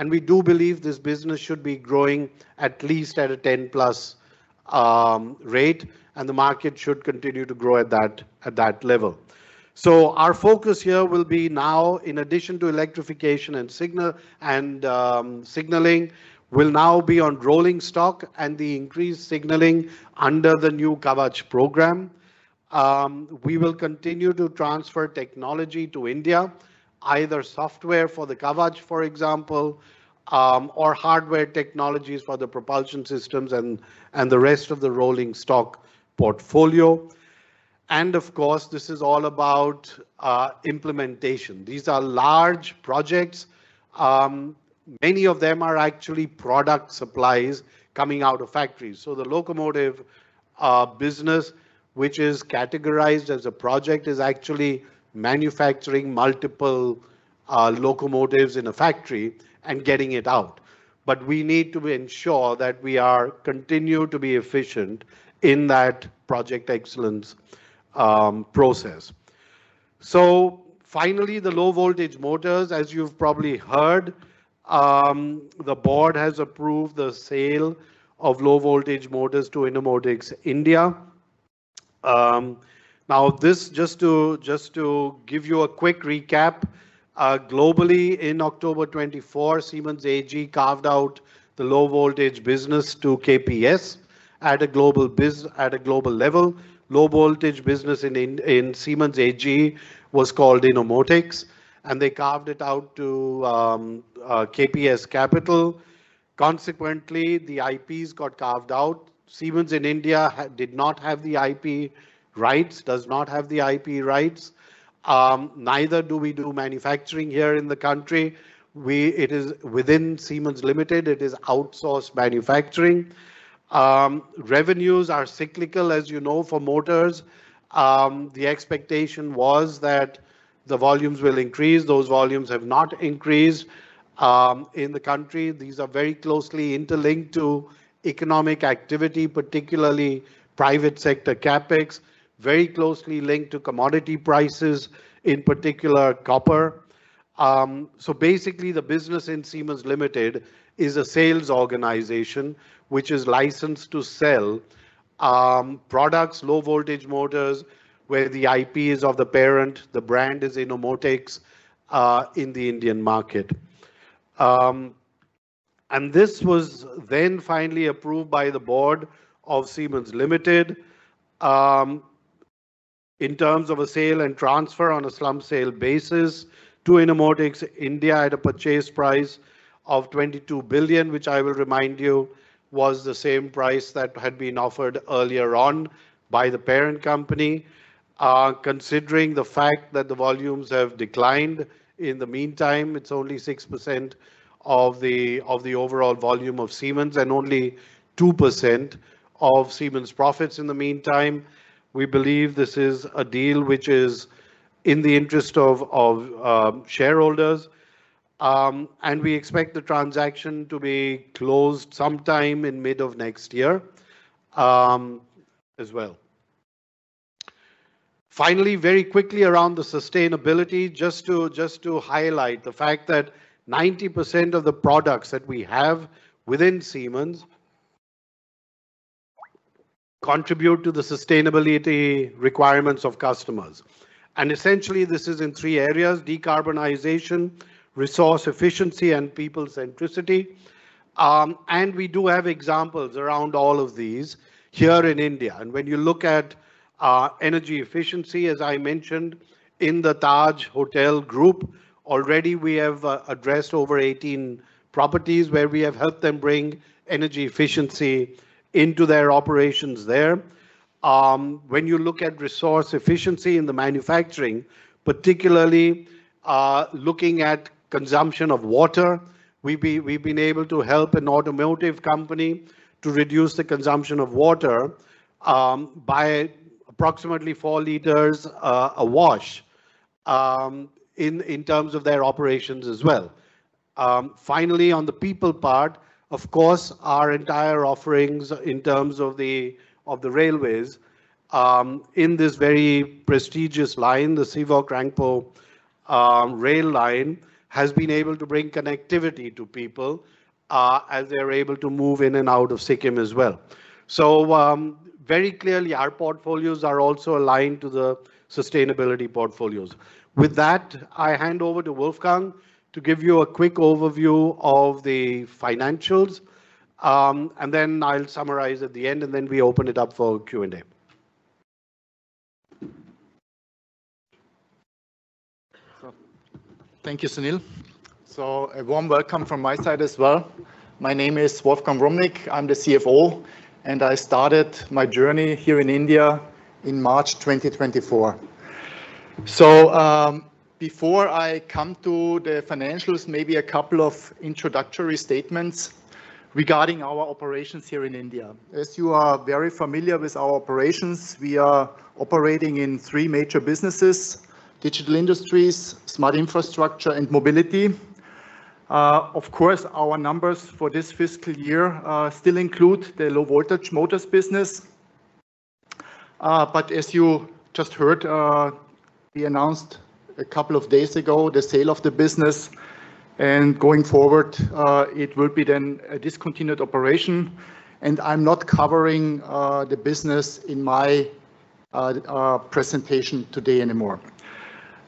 We do believe this business should be growing at least at a 10-plus rate, and the market should continue to grow at that level. So our focus here will be now, in addition to electrification and signaling, will now be on rolling stock and the increased signaling under the new Kavach program. We will continue to transfer technology to India, either software for the Kavach, for example, or hardware technologies for the propulsion systems and the rest of the rolling stock portfolio. And of course, this is all about implementation. These are large projects. Many of them are actually product supplies coming out of factories. So the locomotive business, which is categorized as a project, is actually manufacturing multiple locomotives in a factory and getting it out. But we need to ensure that we continue to be efficient in that project excellence process. Finally, the low-voltage motors, as you've probably heard, the board has approved the sale of low-voltage motors to Innomotics India. Now, just to give you a quick recap, globally, in October 2024, Siemens AG carved out the low-voltage business to KPS at a global level. Low-voltage business in Siemens AG was called Innomotics, and they carved it out to KPS Capital. Consequently, the IPs got carved out. Siemens in India did not have the IP rights, does not have the IP rights. Neither do we do manufacturing here in the country. It is within Siemens Limited. It is outsourced manufacturing. Revenues are cyclical, as you know, for motors. The expectation was that the volumes will increase. Those volumes have not increased in the country. These are very closely interlinked to economic activity, particularly private sector CapEx, very closely linked to commodity prices, in particular, copper. Basically, the business in Siemens Limited is a sales organization which is licensed to sell products, low-voltage motors, where the IP is of the parent, the brand is Innomotics in the Indian market. And this was then finally approved by the board of Siemens Limited in terms of a sale and transfer on a slump sale basis to Innomotics India at a purchase price of 22 billion, which I will remind you was the same price that had been offered earlier on by the parent company. Considering the fact that the volumes have declined in the meantime, it's only 6% of the overall volume of Siemens and only 2% of Siemens profits in the meantime. We believe this is a deal which is in the interest of shareholders. And we expect the transaction to be closed sometime in mid of next year as well. Finally, very quickly around the sustainability, just to highlight the fact that 90% of the products that we have within Siemens contribute to the sustainability requirements of customers, and essentially, this is in three areas: decarbonization, resource efficiency, and people centricity, and we do have examples around all of these here in India. When you look at energy efficiency, as I mentioned, in the Taj Hotel group, already we have addressed over 18 properties where we have helped them bring energy efficiency into their operations there. When you look at resource efficiency in the manufacturing, particularly looking at consumption of water, we've been able to help an automotive company to reduce the consumption of water by approximately four liters a wash in terms of their operations as well. Finally, on the people part, of course, our entire offerings in terms of the railways in this very prestigious line, the Sevoke-Rangpo rail line, has been able to bring connectivity to people as they're able to move in and out of Sikkim as well, so very clearly, our portfolios are also aligned to the sustainability portfolios. With that, I hand over to Wolfgang to give you a quick overview of the financials, and then I'll summarize at the end, and then we open it up for Q&A. Thank you, Sunil, so a warm welcome from my side as well. My name is Wolfgang Wrumnig. I'm the CFO, and I started my journey here in India in March 2024, so before I come to the financials, maybe a couple of introductory statements regarding our operations here in India. As you are very familiar with our operations, we are operating in three major businesses: Digital Industries, Smart Infrastructure, and Mobility. Of course, our numbers for this fiscal year still include the low-voltage motors business. But as you just heard, we announced a couple of days ago the sale of the business, and going forward, it will be then a discontinued operation. And I'm not covering the business in my presentation today anymore.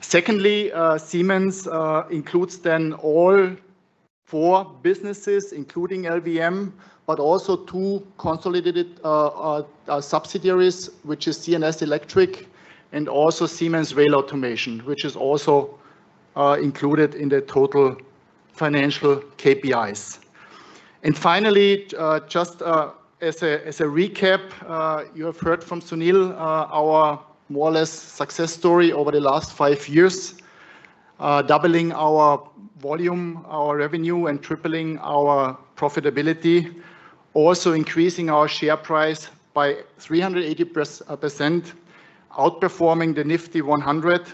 Secondly, Siemens includes then all four businesses, including LVM, but also two consolidated subsidiaries, which is C&S Electric and also Siemens Rail Automation, which is also included in the total financial KPIs. And finally, just as a recap, you have heard from Sunil our more or less success story over the last five years, doubling our volume, our revenue, and tripling our profitability, also increasing our share price by 380%, outperforming the NIFTY 100.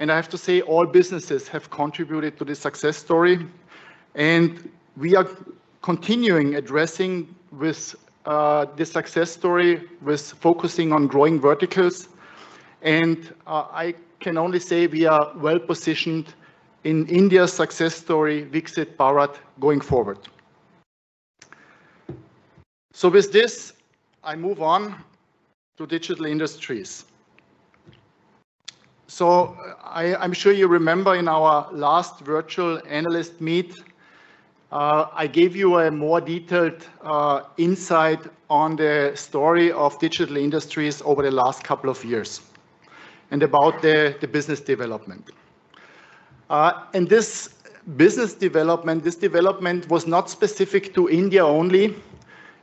I have to say, all businesses have contributed to this success story. We are continuing addressing this success story with focusing on growing verticals. I can only say we are well positioned in India's success story, Viksit Bharat, going forward. With this, I move on to Digital Industries. I'm sure you remember in our last virtual analyst meet, I gave you a more detailed insight on the story of Digital Industries over the last couple of years and about the business development. This business development, this development was not specific to India only.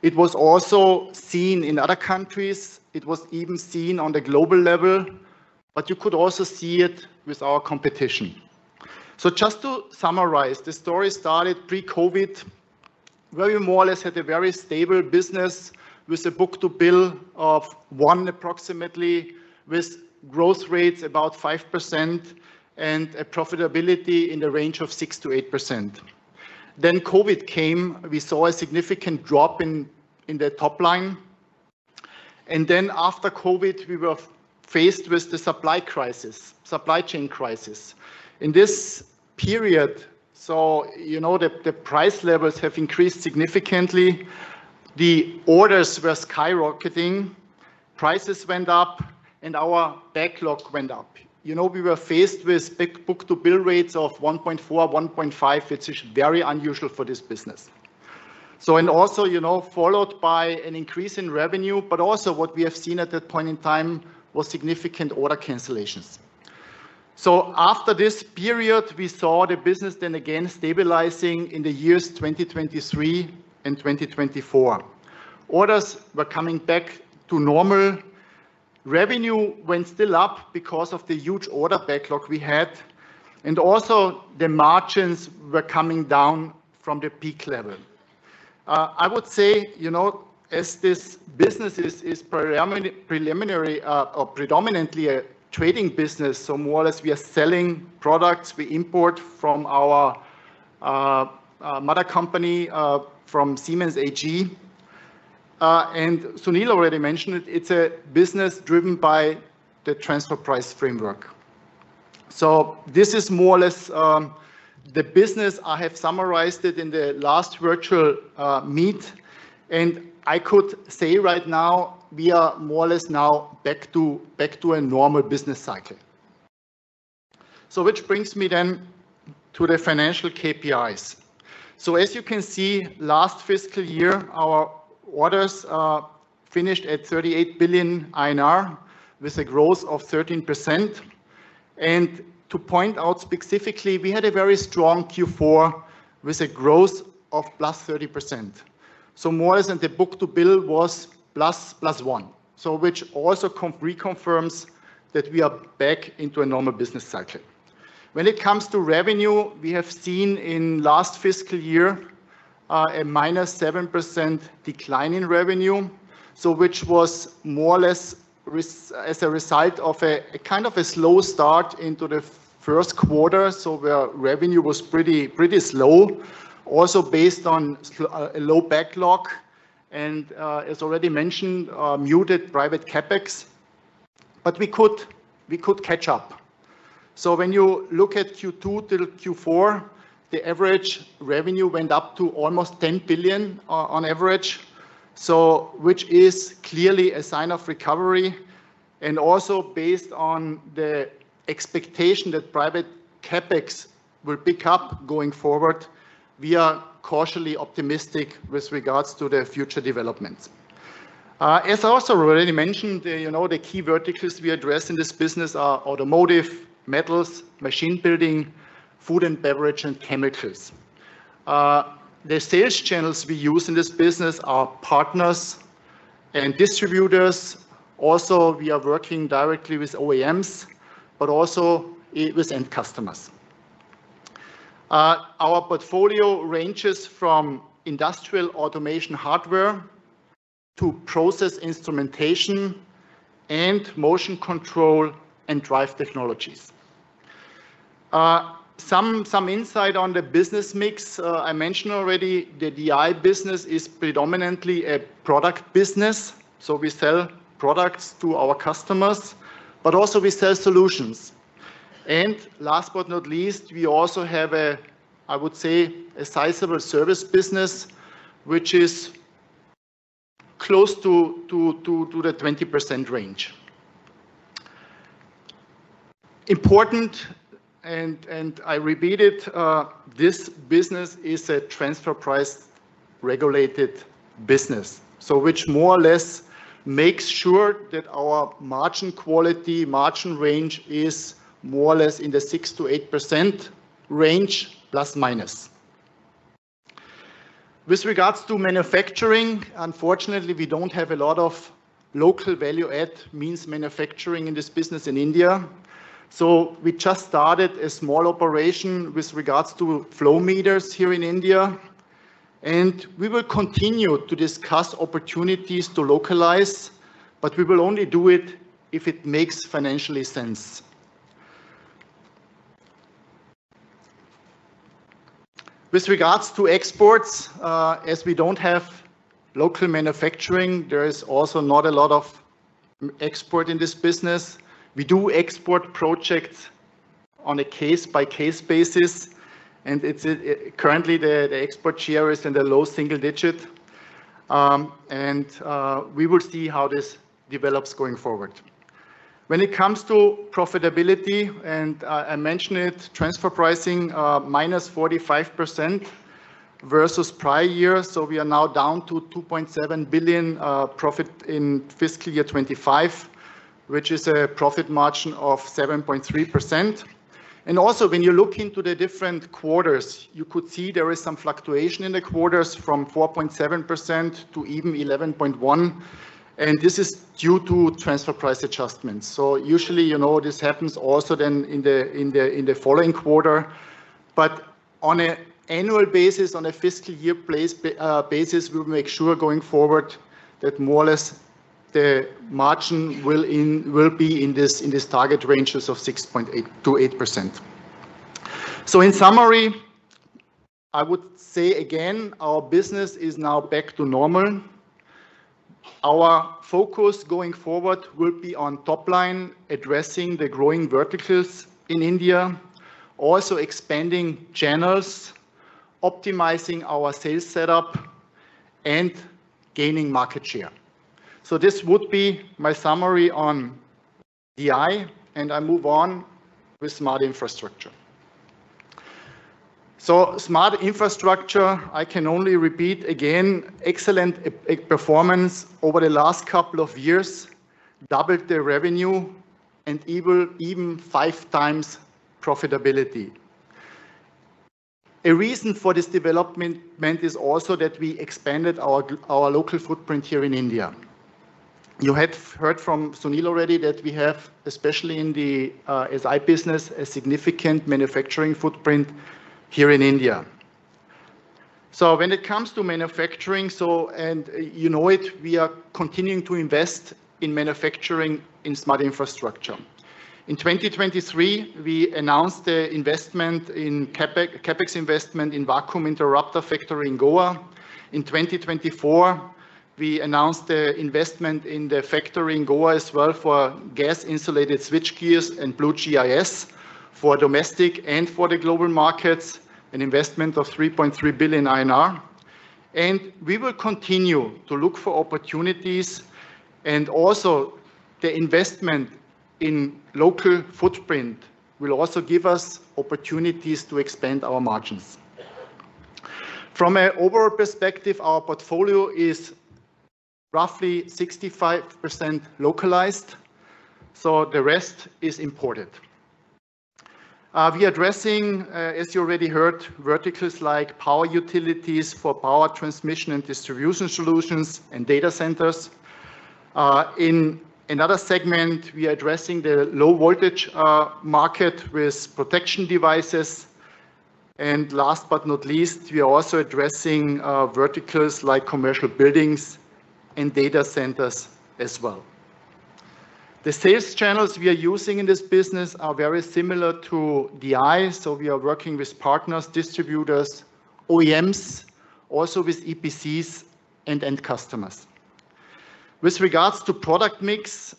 It was also seen in other countries. It was even seen on the global level. You could also see it with our competition. Just to summarize, the story started pre-COVID, where we more or less had a very stable business with a book-to-bill of one approximately, with growth rates about 5% and a profitability in the range of 6%-8%. Then COVID came. We saw a significant drop in the top line. And then after COVID, we were faced with the supply crisis, supply chain crisis. In this period, so you know the price levels have increased significantly. The orders were skyrocketing. Prices went up, and our backlog went up. You know we were faced with book-to-bill rates of 1.4, 1.5, which is very unusual for this business. And also followed by an increase in revenue, but also what we have seen at that point in time was significant order cancellations. After this period, we saw the business then again stabilizing in the years 2023 and 2024. Orders were coming back to normal. Revenue went still up because of the huge order backlog we had. And also the margins were coming down from the peak level. I would say, you know as this business is predominantly a trading business, so more or less we are selling products. We import from our mother company from Siemens AG. And Sunil already mentioned it's a business driven by the transfer price framework. So this is more or less the business I have summarized it in the last virtual meet. And I could say right now, we are more or less now back to a normal business cycle. So which brings me then to the financial KPIs. As you can see, last fiscal year, our orders finished at 38 billion INR with a growth of 13%. To point out specifically, we had a very strong Q4 with a growth of plus 30%. More or less the book-to-bill was plus one, so which also reconfirms that we are back into a normal business cycle. When it comes to revenue, we have seen in last fiscal year a minus 7% decline in revenue, so which was more or less as a result of a kind of a slow start into the first quarter. Revenue was pretty slow, also based on a low backlog. And as already mentioned, muted private CapEx. But we could catch up. When you look at Q2 till Q4, the average revenue went up to almost 10 billion on average, so which is clearly a sign of recovery. Also based on the expectation that private CapEx will pick up going forward, we are cautiously optimistic with regards to the future developments. As I also already mentioned, the key verticals we address in this business are automotive, metals, machine building, food and beverage, and chemicals. The sales channels we use in this business are partners and distributors. Also, we are working directly with OEMs, but also with end customers. Our portfolio ranges from industrial automation hardware to process instrumentation and motion control and drive technologies. Some insight on the business mix, I mentioned already, the DI business is predominantly a product business. So we sell products to our customers, but also we sell solutions. And last but not least, we also have, I would say, a sizable service business, which is close to the 20% range. Important, and I repeat it, this business is a transfer price regulated business, so which more or less makes sure that our margin quality, margin range is more or less in the 6%-8% range, plus minus. With regards to manufacturing, unfortunately, we don't have a lot of local value-add means manufacturing in this business in India. So we just started a small operation with regards to flow meters here in India. And we will continue to discuss opportunities to localize, but we will only do it if it makes financial sense. With regards to exports, as we don't have local manufacturing, there is also not a lot of export in this business. We do export projects on a case-by-case basis. And currently, the export share is in the low single digit. And we will see how this develops going forward. When it comes to profitability, and I mentioned it, transfer pricing -45% versus prior year. So we are now down to 2.7 billion profit in fiscal year 2025, which is a profit margin of 7.3%. And also, when you look into the different quarters, you could see there is some fluctuation in the quarters from 4.7% to even 11.1%. And this is due to transfer price adjustments. So usually, this happens also then in the following quarter. But on an annual basis, on a fiscal year basis, we will make sure going forward that more or less the margin will be in this target ranges of 6.8% to 8%. So in summary, I would say again, our business is now back to normal. Our focus going forward will be on top line, addressing the growing verticals in India, also expanding channels, optimizing our sales setup, and gaining market share. This would be my summary on DI, and I move on with Smart Infrastructure. Smart Infrastructure, I can only repeat again, excellent performance over the last couple of years, doubled the revenue, and even five times profitability. A reason for this development is also that we expanded our local footprint here in India. You had heard from Sunil already that we have, especially in the SI business, a significant manufacturing footprint here in India. So when it comes to manufacturing, and you know it, we are continuing to invest in manufacturing in Smart Infrastructure. In 2023, we announced the investment in CapEx investment in vacuum interrupter factory in Goa. In 2024, we announced the investment in the factory in Goa as well for gas-insulated switchgear and blue GIS for domestic and for the global markets, an investment of 3.3 billion INR. We will continue to look for opportunities. And also the investment in local footprint will also give us opportunities to expand our margins. From an overall perspective, our portfolio is roughly 65% localized. So the rest is imported. We are addressing, as you already heard, verticals like power utilities for power transmission and distribution solutions and data centers. In another segment, we are addressing the low voltage market with protection devices. And last but not least, we are also addressing verticals like commercial buildings and data centers as well. The sales channels we are using in this business are very similar to DI. So we are working with partners, distributors, OEMs, also with EPCs and end customers. With regards to product mix,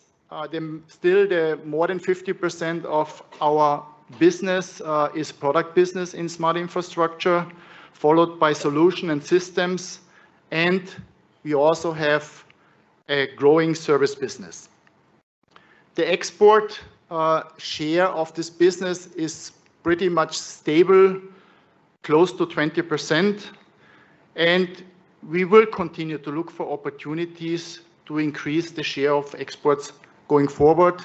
still more than 50% of our business is product business in Smart Infrastructure, followed by solution and systems. And we also have a growing service business. The export share of this business is pretty much stable, close to 20%. And we will continue to look for opportunities to increase the share of exports going forward.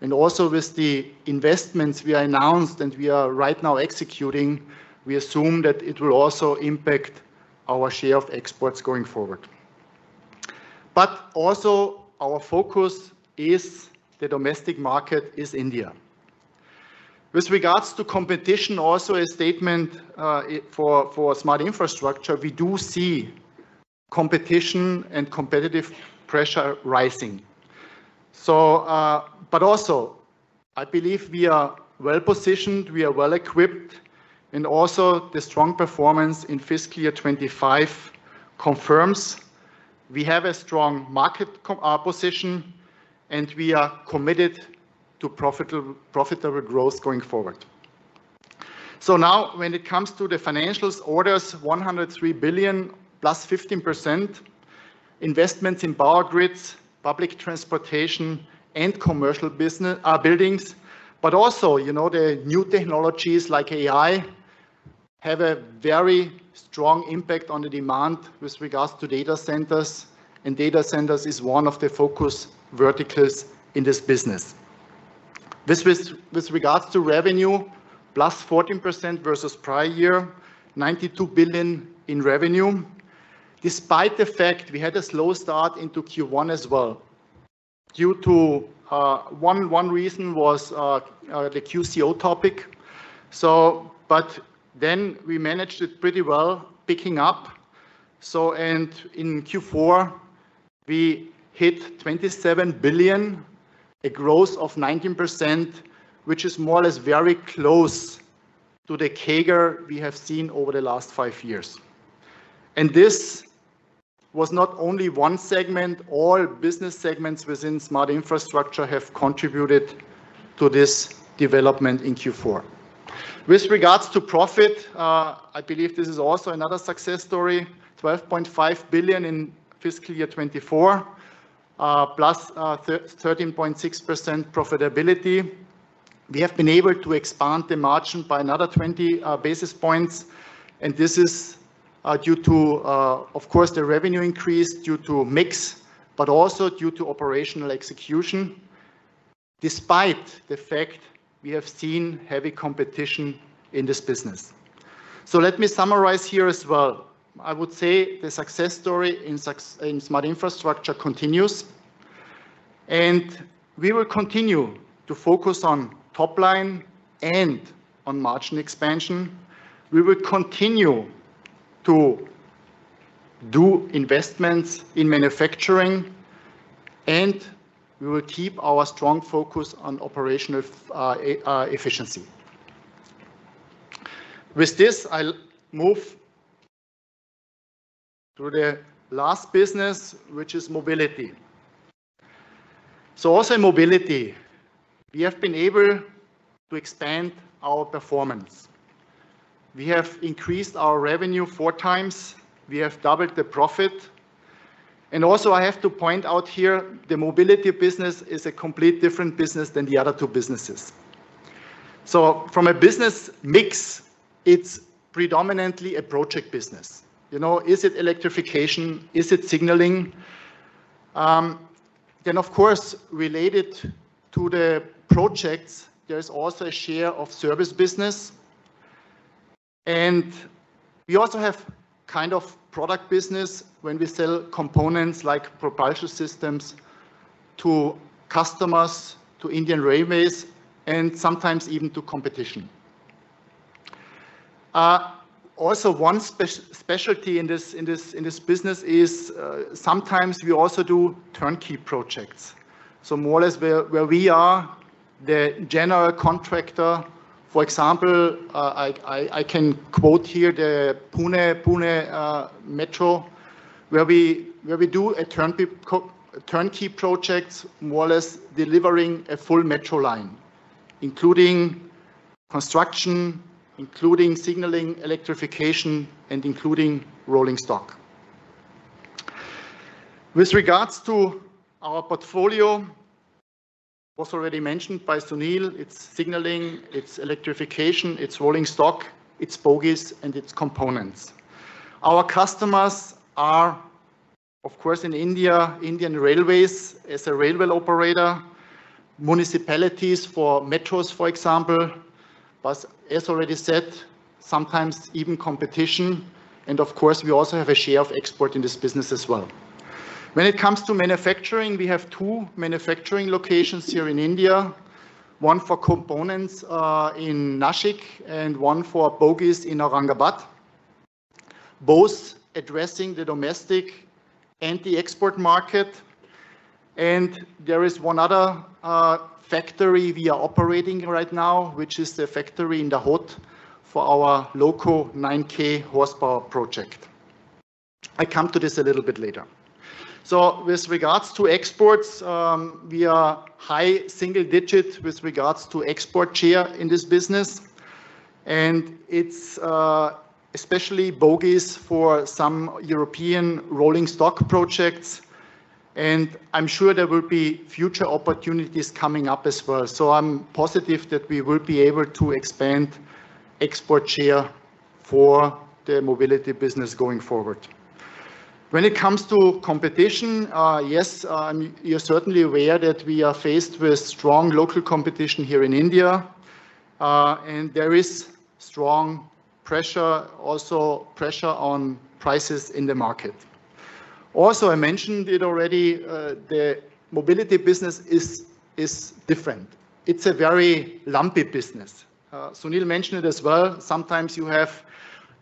And also with the investments we announced and we are right now executing, we assume that it will also impact our share of exports going forward. But also our focus is the domestic market is India. With regards to competition, also a statement for Smart infrastructure, we do see competition and competitive pressure rising. But also I believe we are well positioned, we are well equipped, and also the strong performance in fiscal year 25 confirms we have a strong market position and we are committed to profitable growth going forward. So now when it comes to the financials, orders 103 billion +15% investments in power grids, public transportation, and commercial buildings. The new technologies like AI have a very strong impact on the demand with regards to data centers. And data centers is one of the focus verticals in this business. With regards to revenue, plus 14% versus prior year, 92 billion in revenue. Despite the fact we had a slow start into Q1 as well. Due to one reason was the QCO topic. But then we managed it pretty well picking up. And in Q4, we hit 27 billion, a growth of 19%, which is more or less very close to the CAGR we have seen over the last five years. And this was not only one segment, all business segments within Smart Infrastructure have contributed to this development in Q4. With regards to profit, I believe this is also another success story, 12.5 billion in fiscal year 2024, plus 13.6% profitability. We have been able to expand the margin by another 20 basis points, and this is due to, of course, the revenue increase due to mix, but also due to operational execution, despite the fact we have seen heavy competition in this business, so let me summarize here as well. I would say the success story in Smart Infrastructure continues, and we will continue to focus on top line and on margin expansion. We will continue to do investments in manufacturing, and we will keep our strong focus on operational efficiency. With this, I'll move to the last business, which is Mobility, so also in Mobility, we have been able to expand our performance. We have increased our revenue four times. We have doubled the profit, and also I have to point out here, the Mobility business is a complete different business than the other two businesses. So from a business mix, it's predominantly a project business. Is it electrification? Is it signaling? And of course, related to the projects, there is also a share of service business. And we also have kind of product business when we sell components like propulsion systems to customers, to Indian Railways, and sometimes even to competition. Also one specialty in this business is sometimes we also do turnkey projects. So more or less, where we are the general contractor, for example, I can quote here the Pune Metro, where we do a turnkey project, more or less delivering a full metro line, including construction, including signaling, electrification, and including rolling stock. With regards to our portfolio, was already mentioned by Sunil. It's signaling, it's electrification, it's rolling stock, it's bogies, and it's components. Our customers are, of course, in India: Indian Railways as a railway operator and municipalities for metros, for example, but as already said, sometimes even competition, and of course, we also have a share of export in this business as well. When it comes to manufacturing, we have two manufacturing locations here in India, one for components in Nashik and one for bogies in Aurangabad, both addressing the domestic and the export market, and there is one other factory we are operating right now, which is the factory in Dahod for our local 9K horsepower project. I come to this a little bit later, so with regards to exports, we are high single-digit with regards to export share in this business, and it's especially bogies for some European rolling stock projects, and I'm sure there will be future opportunities coming up as well. I'm positive that we will be able to expand export share for the Mobility business going forward. When it comes to competition, yes, you're certainly aware that we are faced with strong local competition here in India. And there is strong pressure, also pressure on prices in the market. Also, I mentioned it already, the Mobility business is different. It's a very lumpy business. Sunil mentioned it as well. Sometimes you have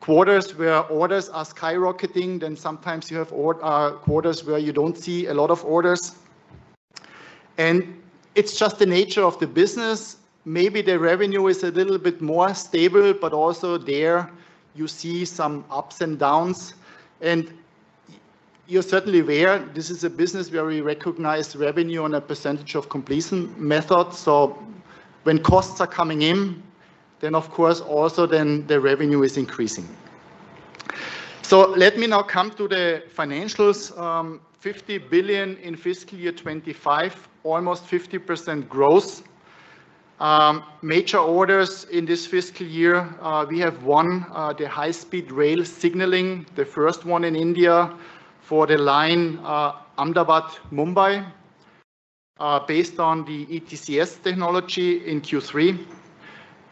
quarters where orders are skyrocketing, then sometimes you have quarters where you don't see a lot of orders. And it's just the nature of the business. Maybe the revenue is a little bit more stable, but also there you see some ups and downs. And you're certainly aware, this is a business where we recognize revenue on a percentage of completion method. So when costs are coming in, then of course also then the revenue is increasing. Let me now come to the financials. 50 billion in fiscal year 25, almost 50% growth. Major orders in this fiscal year, we have won the high-speed rail signaling, the first one in India for the line Ahmedabad-Mumbai based on the ETCS technology in Q3.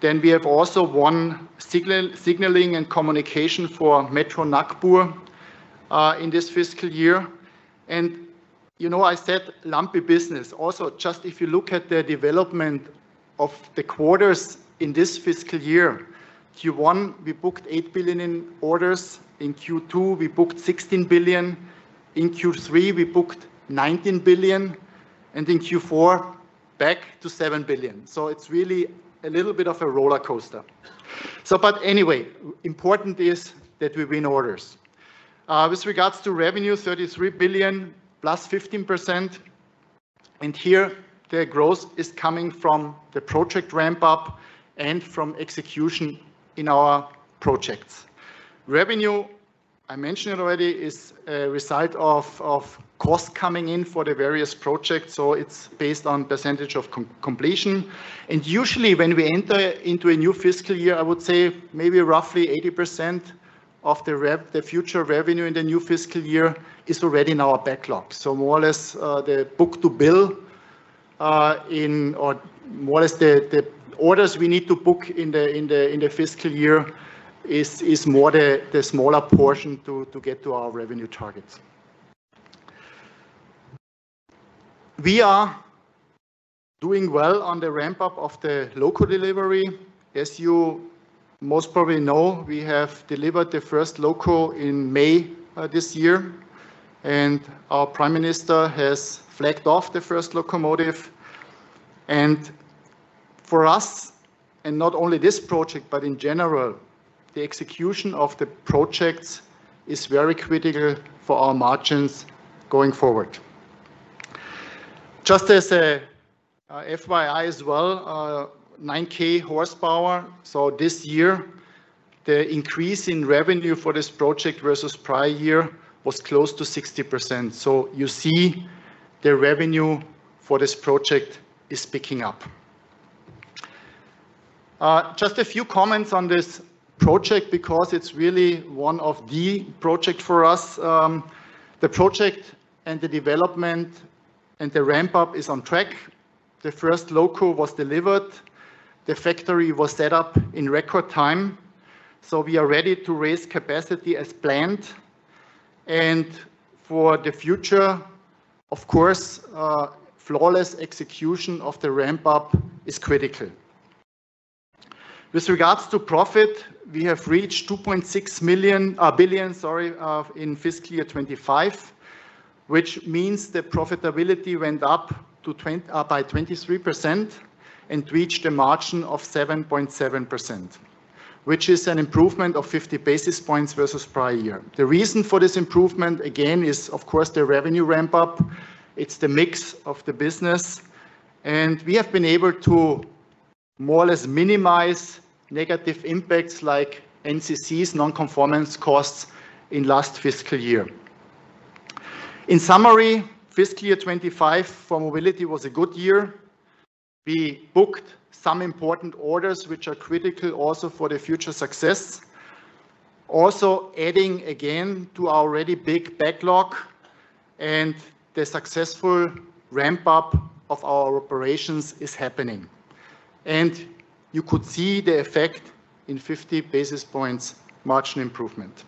Then we have also won signaling and communication for Metro Nagpur in this fiscal year. I said lumpy business. Also, just if you look at the development of the quarters in this fiscal year, Q1, we booked 8 billion in orders. In Q2, we booked 16 billion. In Q3, we booked 19 billion. In Q4, back to 7 billion. It's really a little bit of a roller coaster. Anyway, important is that we win orders. With regards to revenue, 33 billion plus 15%. Here the growth is coming from the project ramp-up and from execution in our projects. Revenue, I mentioned it already, is a result of cost coming in for the various projects. So it's based on percentage of completion. And usually when we enter into a new fiscal year, I would say maybe roughly 80% of the future revenue in the new fiscal year is already in our backlog. So more or less the book-to-bill, or more or less the orders we need to book in the fiscal year is more the smaller portion to get to our revenue targets. We are doing well on the ramp-up of the local delivery. As you most probably know, we have delivered the first local in May this year. And our Prime Minister has flagged off the first locomotive. And for us, and not only this project, but in general, the execution of the projects is very critical for our margins going forward. Just as a FYI as well, 9K horsepower. So this year, the increase in revenue for this project versus prior year was close to 60%. So you see the revenue for this project is picking up. Just a few comments on this project because it's really one of the projects for us. The project and the development and the ramp-up is on track. The first locomotive was delivered. The factory was set up in record time. So we are ready to raise capacity as planned. And for the future, of course, flawless execution of the ramp-up is critical. With regards to profit, we have reached 2.6 billion, sorry, in fiscal year 25, which means the profitability went up by 23% and reached a margin of 7.7%, which is an improvement of 50 basis points versus prior year. The reason for this improvement, again, is of course the revenue ramp-up. It's the mix of the business. And we have been able to more or less minimize negative impacts like NCCs, non-conformance costs in last fiscal year. In summary, fiscal year 25 for Mobility was a good year. We booked some important orders, which are critical also for the future success. Also adding again to our already big backlog. And the successful ramp-up of our operations is happening. And you could see the effect in 50 basis points margin improvement.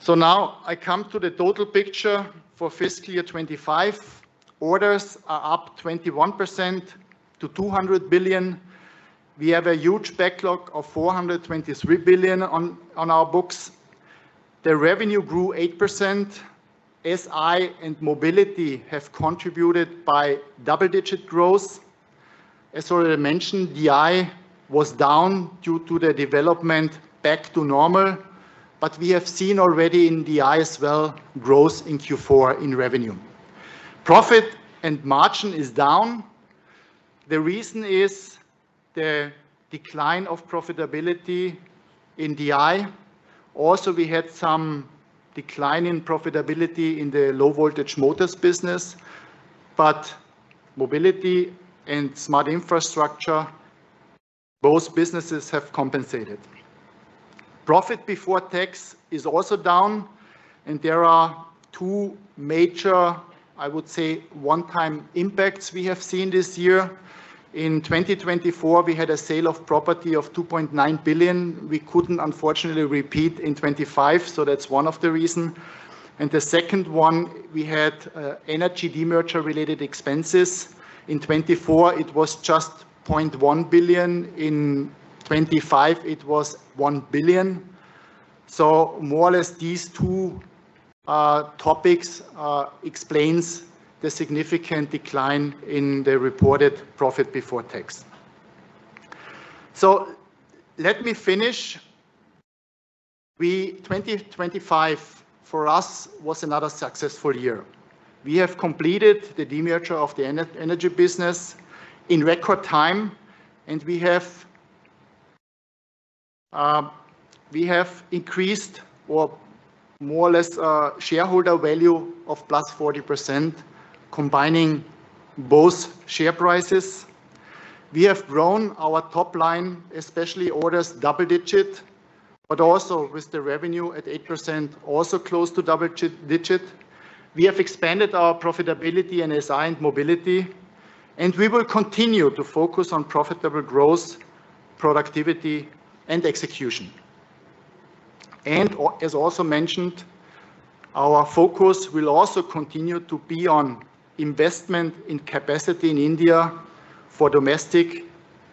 So now I come to the total picture for fiscal year 25. Orders are up 21% to 200 billion. We have a huge backlog of 423 billion on our books. The revenue grew 8%. SI and Mobility have contributed by double-digit growth. As already mentioned, DI was down due to the development back to normal. But we have seen already in DI as well growth in Q4 in revenue. Profit and margin is down. The reason is the decline of profitability in DI. Also we had some decline in profitability in the low-voltage motors business. Mobility and Smart Infrastructure, both businesses have compensated. Profit before tax is also down. And there are two major, I would say, one-time impacts we have seen this year. In 2024, we had a sale of property of 2.9 billion. We couldn't unfortunately repeat in 2025. So that's one of the reasons. And the second one, we had energy demerger-related expenses. In 2024, it was just 0.1 billion. In 2025, it was 1 billion. So more or less these two topics explain the significant decline in the reported profit before tax. So let me finish. 2025 for us was another successful year. We have completed the demerger of the energy business in record time. We have increased, or more or less, shareholder value of plus 40% combining both share prices. We have grown our top line, especially orders double-digit, but also with the revenue at 8%, also close to double-digit. We have expanded our profitability and assigned Mobility. And we will continue to focus on profitable growth, productivity, and execution. And as also mentioned, our focus will also continue to be on investment in capacity in India for domestic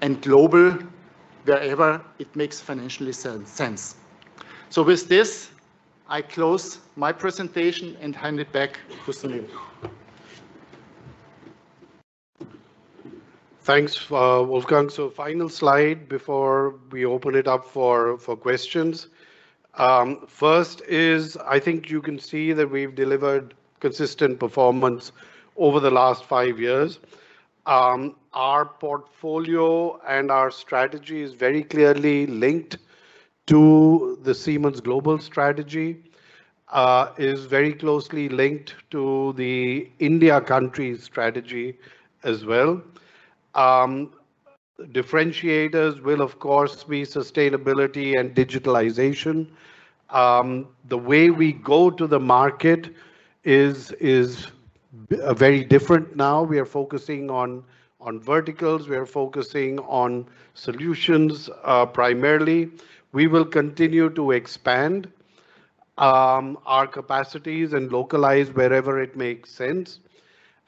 and global, wherever it makes financially sense. So with this, I close my presentation and hand it back to Sunil. Thanks, Wolfgang. So final slide before we open it up for questions. First is, I think you can see that we've delivered consistent performance over the last five years. Our portfolio and our strategy is very clearly linked to the Siemens Global strategy, is very closely linked to the India country strategy as well. Differentiators will of course be sustainability and digitalization. The way we go to the market is very different now. We are focusing on verticals. We are focusing on solutions primarily. We will continue to expand our capacities and localize wherever it makes sense.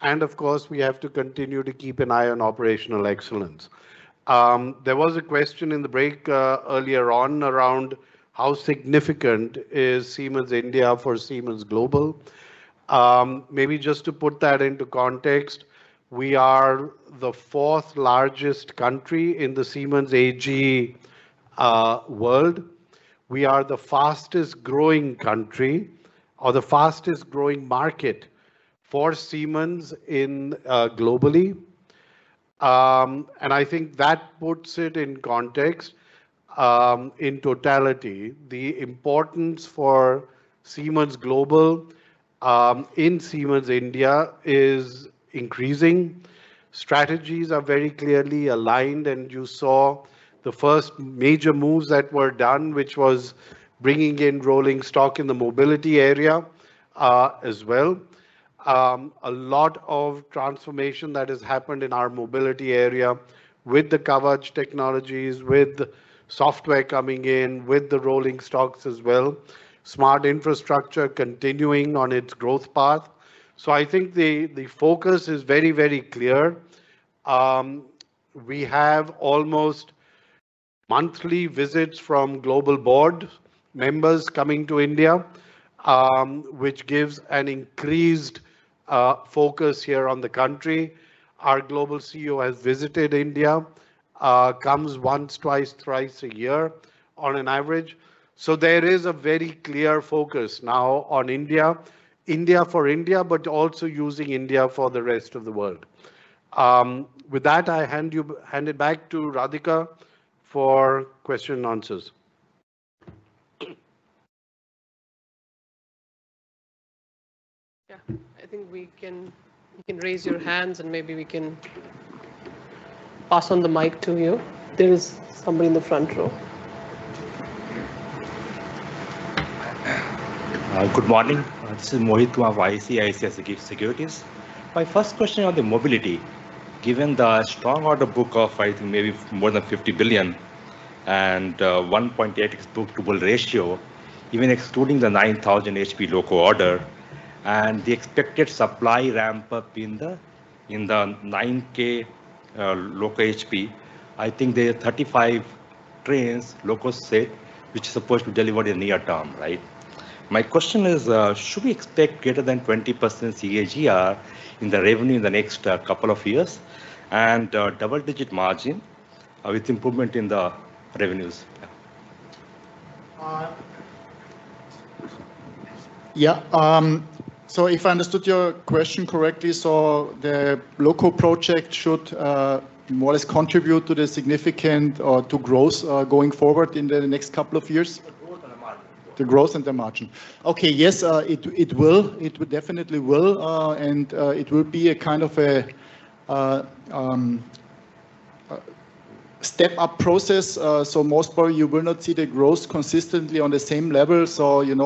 And of course, we have to continue to keep an eye on operational excellence. There was a question in the break earlier on around how significant is Siemens India for Siemens Global. Maybe just to put that into context, we are the fourth largest country in the Siemens AG world. We are the fastest growing country or the fastest growing market for Siemens globally. And I think that puts it in context in totality. The importance for Siemens Global in Siemens India is increasing. Strategies are very clearly aligned, and you saw the first major moves that were done, which was bringing in rolling stock in the Mobility area as well. A lot of transformation that has happened in our Mobility area with the core technologies, with software coming in, with the rolling stocks as well. Smart Infrastructure continuing on its growth path. The focus is very, very clear. We have almost monthly visits from global board members coming to India, which gives an increased focus here on the country. Our global CEO has visited India, comes once, twice, thrice a year on an average. So there is a very clear focus now on India, India for India, but also using India for the rest of the world. With that, I hand it back to Radhika for questions and answers. I think we can raise your hands and maybe we can pass on the mic to you. There is somebody in the front row. Good morning. This is Mohit from ICICI Securities. My first question on the Mobility, given the strong order book of, I think, maybe more than 50 billion and 1.8X book-to-bill ratio, even excluding the 9,000 HP local order, and the expected supply ramp-up in the 9K local HP, I think there are 35 trains, locals say, which is supposed to deliver in the near term, right? My question is, should we expect greater than 20% CAGR in the revenue in the next couple of years and double-digit margin with improvement in the revenues? If I understood your question correctly, the local project should more or less contribute to the significant or to growth going forward in the next couple of years? The growth and the margin. Yes, it will. It definitely will. And it will be a kind of a step-up process. Most probably you will not see the growth consistently on the same level.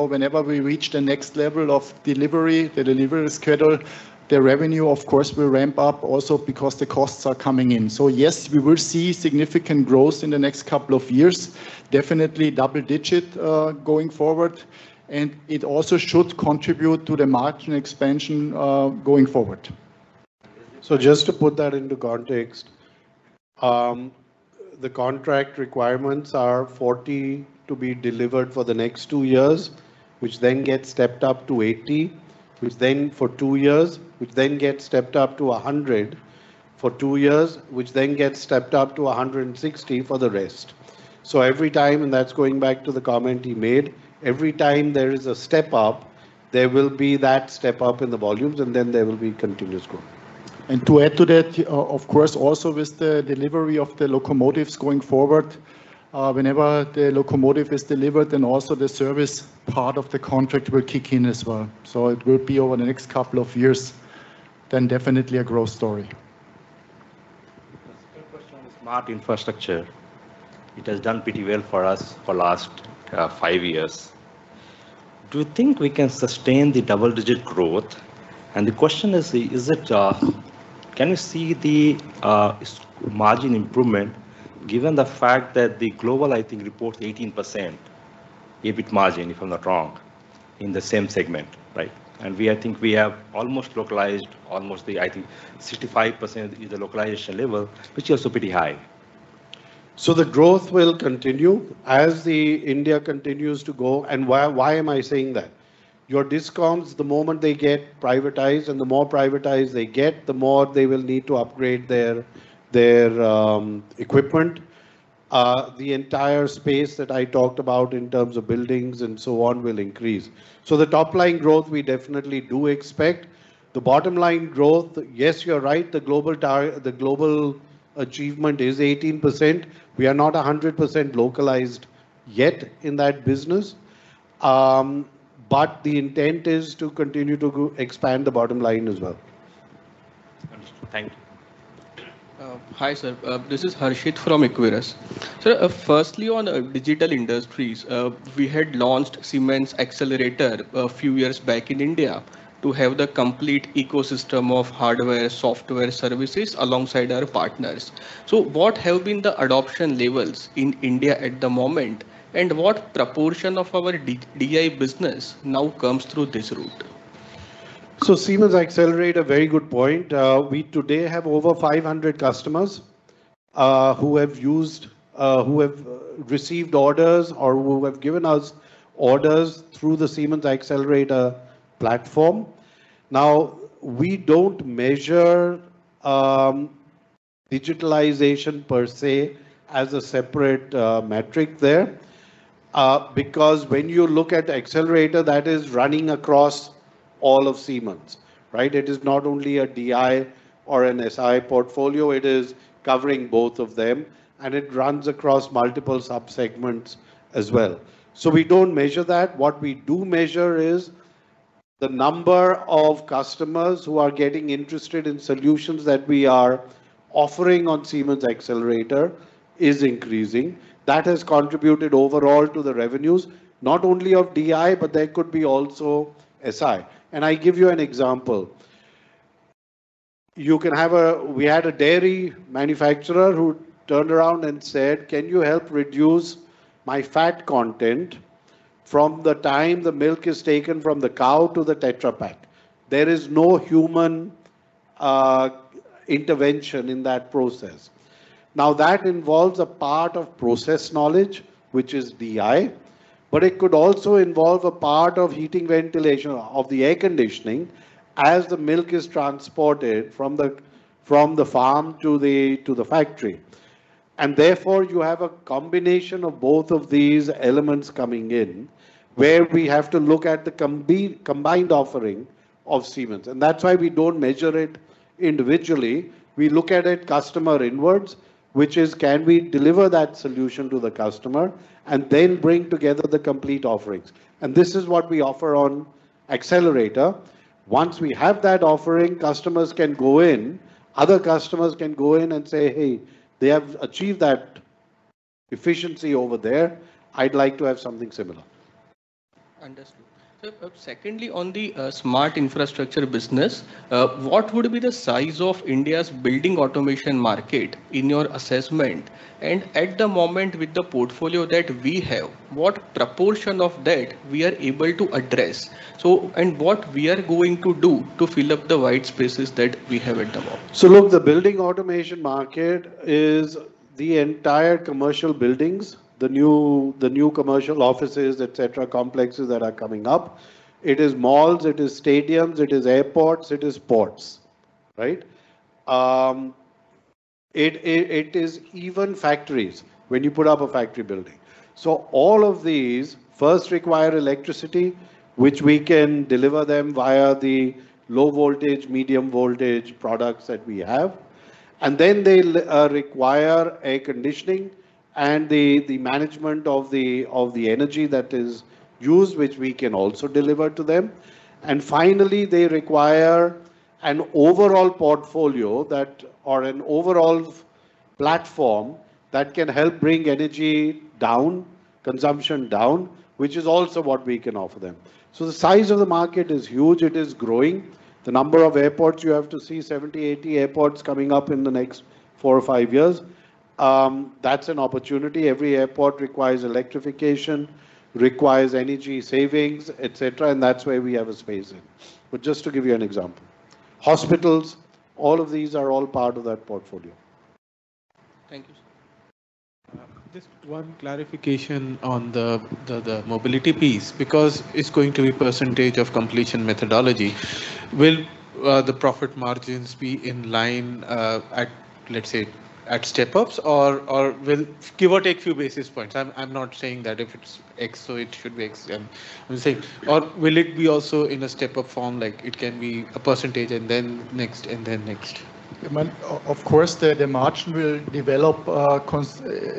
Whenever we reach the next level of delivery, the delivery schedule, the revenue, of course, will ramp up also because the costs are coming in. Yes, we will see significant growth in the next couple of years, definitely double-digit going forward. And it also should contribute to the margin expansion going forward. To put that into context, the contract requirements are 40 to be delivered for the next two years, which then gets stepped up to 80, which then for two years, which then gets stepped up to 100 for two years, which then gets stepped up to 160 for the rest. So every time, and that's going back to the comment he made, every time there is a step-up, there will be that step-up in the volumes, and then there will be continuous growth. To add to that, of course, also with the delivery of the locomotives going forward, whenever the locomotive is delivered, then also the service part of the contract will kick in as well. So it will be over the next couple of years, then definitely a growth story. The second question is on Smart infrastructure. It has done pretty well for us for the last five years. Do you think we can sustain the double-digit growth? And the question is, can we see the margin improvement given the fact that the global, I think, reports 18% EBIT margin, if I'm not wrong, in the same segment, right? And I think we have almost localized, almost the, I think, 65% is the localization level, which is also pretty high? The growth will continue as India continues to grow. And why am I saying that? Airports, the moment they get privatized, and the more privatized they get, the more they will need to upgrade their equipment. The entire space that I talked about in terms of buildings and so on will increase. So the top-line growth, we definitely do expect. The bottom-line growth, yes, you're right, the global EBIT is 18%. We are not 100% localized yet in that business. But the intent is to continue to expand the bottom line as well. Understood. Thank you. This is Harshit from Equirus. Sir, firstly, on Digital Industries, we had launched Siemens Xcelerator a few years back in India to have the complete ecosystem of hardware, software services alongside our partners. So what have been the adoption levels in India at the moment? And what proportion of our DI business now comes through this route? Siemens Xcelerator, very good point. We today have over 500 customers who have received orders or who have given us orders through the Siemens Xcelerator platform. Now, we don't measure digitalization per se as a separate metric there. Because when you look at Xcelerator, that is running across all of Siemens, right? It is not only a DI or an SI portfolio. It is covering both of them. And it runs across multiple subsegments as well. So we don't measure that. What we do measure is the number of customers who are getting interested in solutions that we are offering on Siemens Xcelerator is increasing. That has contributed overall to the revenues, not only of DI, but there could be also SI. I give you an example. You can have. We had a dairy manufacturer who turned around and said, "Can you help reduce my fat content from the time the milk is taken from the cow to the Tetra Pak?" There is no human intervention in that process. Now, that involves a part of process knowledge, which is DI. But it could also involve a part of heating, ventilation, and air conditioning as the milk is transported from the farm to the factory. Therefore, you have a combination of both of these elements coming in where we have to look at the combined offering of Siemens. And that's why we don't measure it individually. We look at it customer-inwards, which is, can we deliver that solution to the customer and then bring together the complete offerings. This is what we offer on Xcelerator. Once we have that offering, customers can go in, other customers can go in and say, "Hey, they have achieved that efficiency over there. I'd like to have something similar." Understood. So secondly, on the Smart Infrastructure business, what would be the size of India's building automation market in your assessment? And at the moment, with the portfolio that we have, what proportion of that we are able to address? What we are going to do to fill up the white spaces that we have at the moment? The building automation market is the entire commercial buildings, the new commercial offices, etc., complexes that are coming up. It is malls, it is stadiums, it is airports, it is ports, right? It is even factories when you put up a factory building. All of these first require electricity, which we can deliver them via the low-voltage, medium-voltage products that we have. And then they require air conditioning and the management of the energy that is used, which we can also deliver to them. And finally, they require an overall portfolio or an overall platform that can help bring energy down, consumption down, which is also what we can offer them. The size of the market is huge. It is growing. The number of airports you have to see, 70, 80 airports coming up in the next four or five years. That's an opportunity. Every airport requires electrification, requires energy savings, etc., and that's where we have a space in. But just to give you an example, hospitals, all of these are all part of that portfolio. Thank you. Just one clarification on the Mobility piece, because it's going to be percentage of completion methodology. Will the profit margins be in line at, let's say, at step-ups, or will give or take a few basis points? I'm not saying that if it's X, so it should be X. Or will it be also in a step-up form, like it can be a percentage and then next and then next? Of course, the margin will develop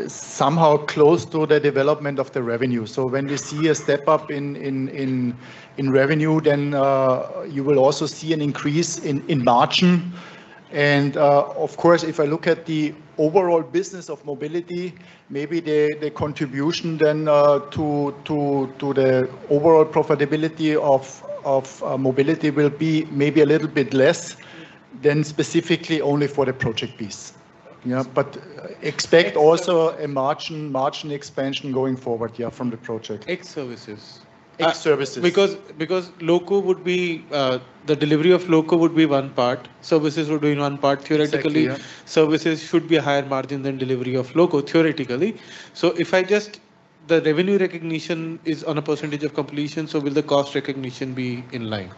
somehow close to the development of the revenue. So when we see a step-up in revenue, then you will also see an increase in margin. And of course, if I look at the overall business of Mobility, maybe the contribution then to the overall profitability of Mobility will be maybe a little bit less than specifically only for the project piece. But expect also a margin expansion going forward from the project. The delivery of locos would be one part. Services would be one part, theoretically. Services should be a higher margin than delivery of locos, theoretically. So if I just, the revenue recognition is on a percentage of completion, so will the cost recognition be in line?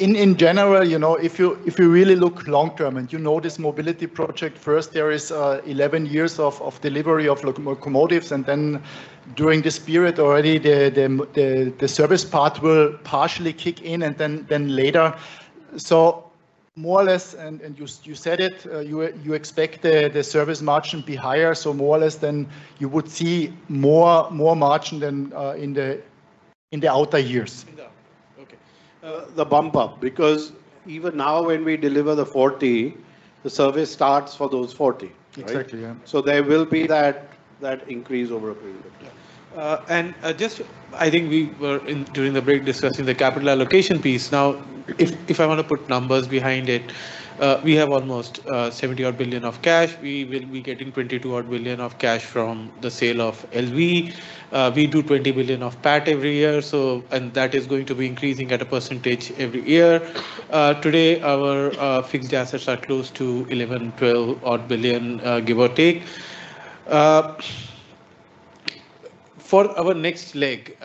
In general, if you really look long-term and you know this Mobility project, first, there is 11 years of delivery of locomotives, and then during this period, already the service part will partially kick in and then later. So more or less, and you said it, you expect the service margin to be higher, so more or less then you would see more margin in the outer years. The bump-up, because even now when we deliver the 40, the service starts for those 40, right? Exactly, yeah. There will be that increase over a period of time. We were during the break discussing the capital allocation piece. Now, if I want to put numbers behind it, we have almost 70-odd billion of cash. We will be getting 22-odd billion of cash from the sale of LV. We do 20 billion of PAT every year, and that is going to be increasing at a percentage every year. Today, our fixed assets are close to 11-12 billion, give or take. For our next leg,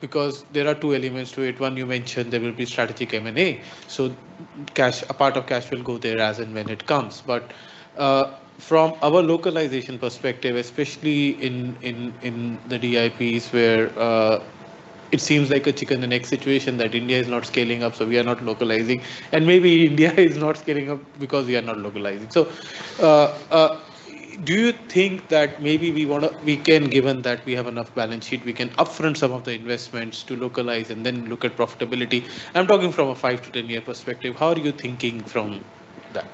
because there are two elements to it. One, you mentioned there will be strategic M&A. So a part of cash will go there as and when it comes, but from our localization perspective, especially in the DIPs where it seems like a chicken-and-egg situation that India is not scaling up, so we are not localizing. And maybe India is not scaling up because we are not localizing. Do you think that maybe we can, given that we have enough balance sheet, upfront some of the investments to localize and then look at profitability? I'm talking from a 5 to 10-year perspective. How are you thinking from that?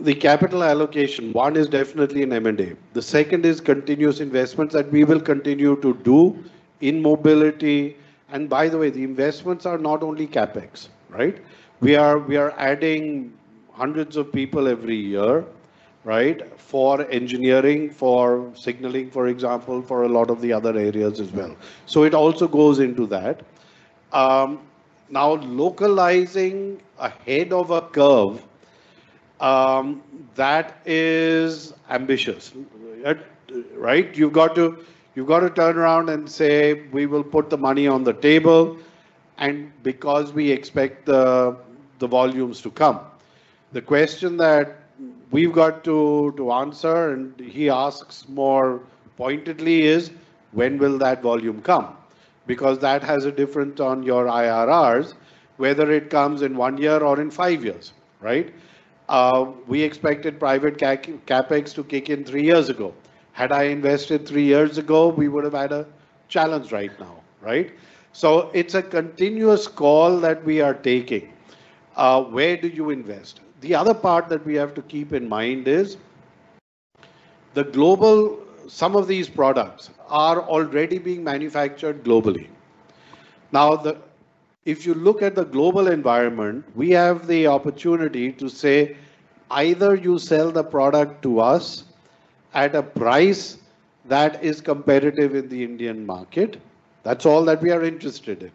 The capital allocation, one is definitely an M&A. The second is continuous investments that we will continue to do in Mobility. And by the way, the investments are not only CapEx, right? We are adding hundreds of people every year, right, for engineering, for signaling, for example, for a lot of the other areas as well. It also goes into that. Now, localizing ahead of a curve, that is ambitious, right? You've got to turn around and say, "We will put the money on the table," because we expect the volumes to come. The question that we've got to answer, and he asks more pointedly, is, "When will that volume come?" Because that has a difference on your IRRs, whether it comes in one year or in five years, right? We expected private CapEx to kick in three years ago. Had I invested three years ago, we would have had a challenge right now, right? It's a continuous call that we are taking. "Where do you invest?" The other part that we have to keep in mind is the global. Some of these products are already being manufactured globally. Now, if you look at the global environment, we have the opportunity to say, either you sell the product to us at a price that is competitive in the Indian market, that's all that we are interested in,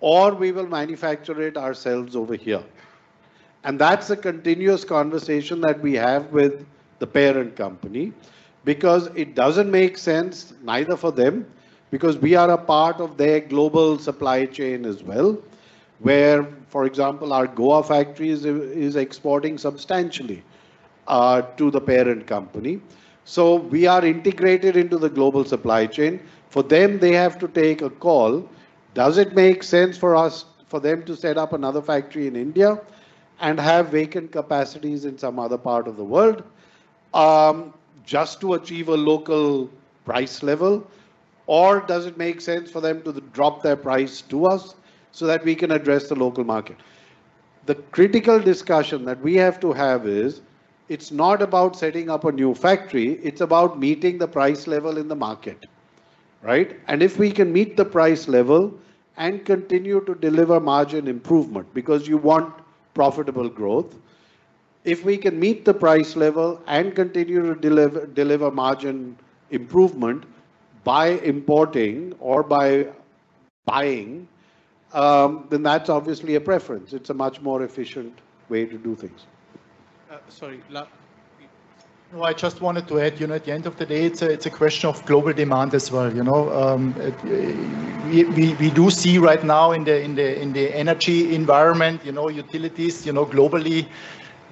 or we will manufacture it ourselves over here. And that's a continuous conversation that we have with the parent company because it doesn't make sense neither for them because we are a part of their global supply chain as well, where, for example, our Goa factory is exporting substantially to the parent company. So we are integrated into the global supply chain. For them, they have to take a call. Does it make sense for them to set up another factory in India and have vacant capacities in some other part of the world just to achieve a local price level? Or does it make sense for them to drop their price to us so that we can address the local market? The critical discussion that we have to have is, it's not about setting up a new factory. It's about meeting the price level in the market, right? And if we can meet the price level and continue to deliver margin improvement because you want profitable growth, if we can meet the price level and continue to deliver margin improvement by importing or by buying, then that's obviously a preference. It's a much more efficient way to do things. I just wanted to add, at the end of the day, it's a question of global demand as well. We do see right now in the energy environment, utilities, globally,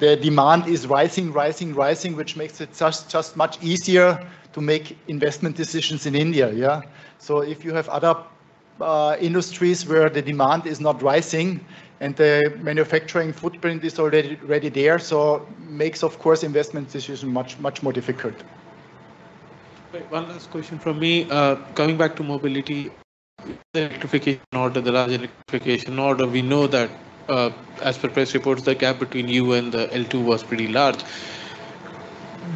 the demand is rising, rising, rising, which makes it just much easier to make investment decisions in India, yeah, so if you have other industries where the demand is not rising and the manufacturing footprint is already there, so it makes, of course, investment decisions much more difficult. One last question from me. Coming back to Mobility, the electrification order, the large electrification order, we know that as per press reports, the gap between you and the L2 was pretty large.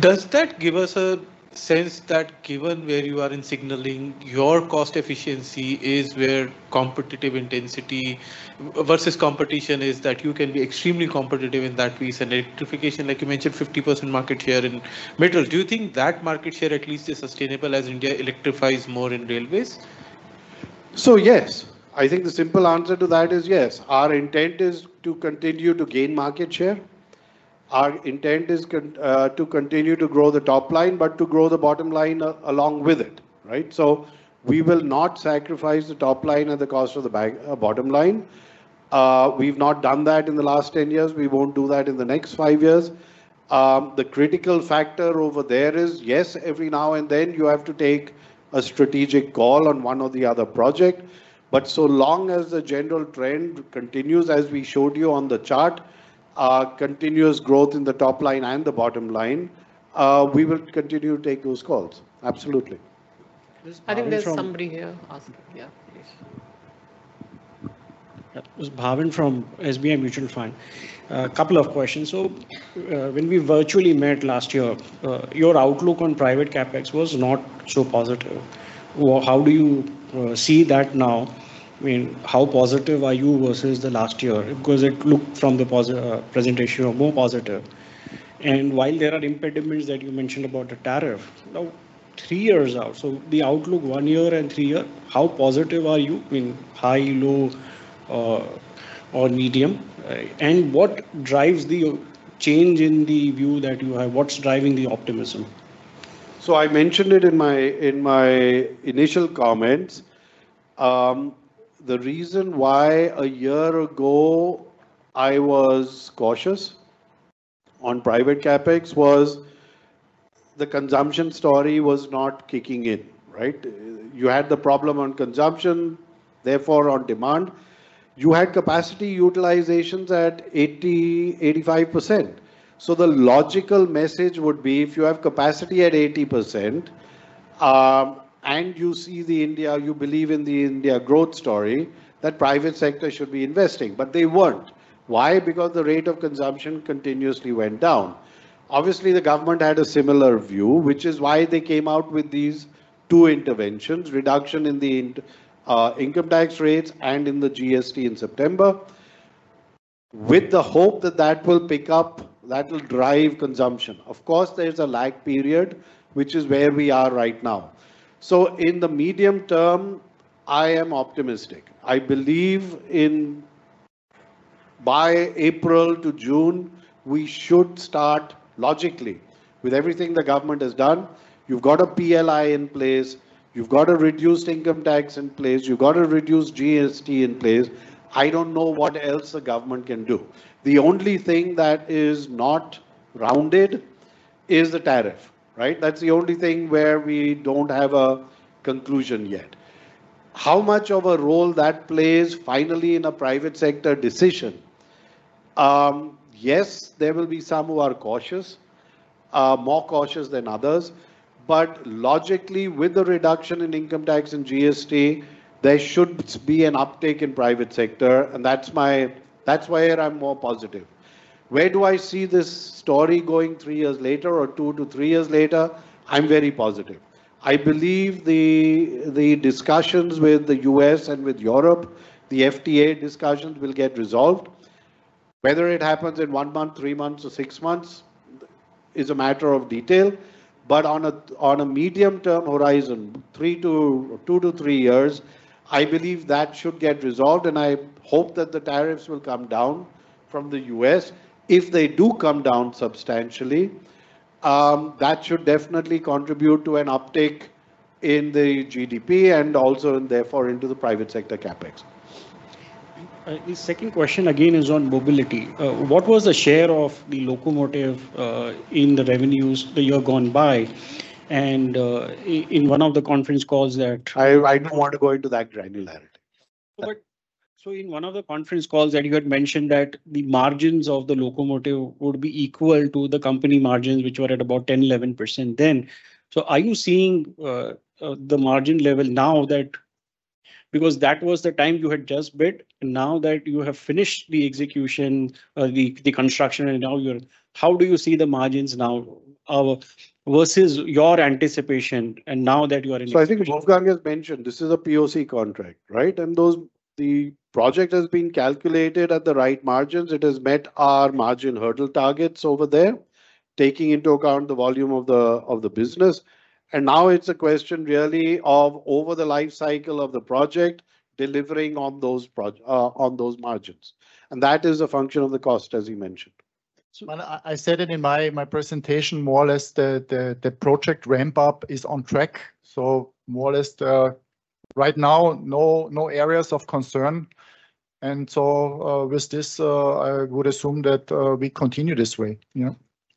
Does that give us a sense that given where you are in signaling, your cost efficiency is where competitive intensity versus competition is that you can be extremely competitive in that piece and electrification, like you mentioned, 50% market share in metals? Do you think that market share at least is sustainable as India electrifies more in railways? Yes. I think the simple answer to that is yes. Our intent is to continue to gain market share. Our intent is to continue to grow the top line, but to grow the bottom line along with it, right? So we will not sacrifice the top line at the cost of the bottom line. We've not done that in the last 10 years. We won't do that in the next five years. The critical factor over there is, yes, every now and then you have to take a strategic call on one or the other project. But so long as the general trend continues, as we showed you on the chart, continuous growth in the top line and the bottom line, we will continue to take those calls. Absolutely. I think there's somebody here asking, Please. This is Bhavin from SBI Mutual Fund. A couple of questions. So when we virtually met last year, your outlook on private CapEx was not so positive. How do you see that now? I mean, how positive are you versus the last year? Because it looked from the presentation more positive. And while there are impediments that you mentioned about the tariff, now three years out, so the one-year and three-year outlook, how positive are you? I mean, high, low, or medium? What drives the change in the view that you have? What's driving the optimism? I mentioned it in my initial comments. The reason why a year ago I was cautious on private CapEx was the consumption story was not kicking in, right? You had the problem on consumption, therefore on demand. You had capacity utilizations at 80%-85%. So the logical message would be if you have capacity at 80% and you see the India, you believe in the India growth story, that private sector should be investing. But they weren't. Why? Because the rate of consumption continuously went down. Obviously, the government had a similar view, which is why they came out with these two interventions, reduction in the income tax rates and in the GST in September, with the hope that that will pick up, that will drive consumption. There's a lag period, which is where we are right now. In the medium term, I am optimistic. I believe by April to June, we should start logically with everything the government has done. You've got a PLI in place. You've got a reduced income tax in place. You've got a reduced GST in place. I don't know what else the government can do. The only thing that is not rounded is the tariff, right? That's the only thing where we don't have a conclusion yet. How much of a role that plays finally in a private sector decision? Yes, there will be some who are cautious, more cautious than others. But logically, with the reduction in income tax and GST, there should be an uptake in private sector. And that's why I'm more positive. Where do I see this story going three years later or two to three years later? I'm very positive. I believe the discussions with the U.S. and with Europe, the FTA discussions will get resolved. Whether it happens in one month, three months, or six months is a matter of detail, but on a medium-term horizon, two to three years, I believe that should get resolved, and I hope that the tariffs will come down from the U.S. If they do come down substantially, that should definitely contribute to an uptake in the GDP and also therefore into the private sector CapEx. The second question again is on mobility. What was the share of the locomotive in the revenues that you have gone by? And in one of the conference calls that.. I don't want to go into that granularity. In one of the conference calls that you had mentioned that the margins of the locomotive would be equal to the company margins, which were at about 10%-11% then. Are you seeing the margin level now that because that was the time you had just bid? Now that you have finished the execution, the construction, and now you're in, how do you see the margins now versus your anticipation? Wolfgang has mentioned this is a POC contract, right? The project has been calculated at the right margins. It has met our margin hurdle targets over there, taking into account the volume of the business. Now it's a question really of over the life cycle of the project, delivering on those margins. That is a function of the cost, as he mentioned. I said it in my presentation, more or less the project ramp-up is on track. So more or less right now, no areas of concern. With this, I would assume that we continue this way.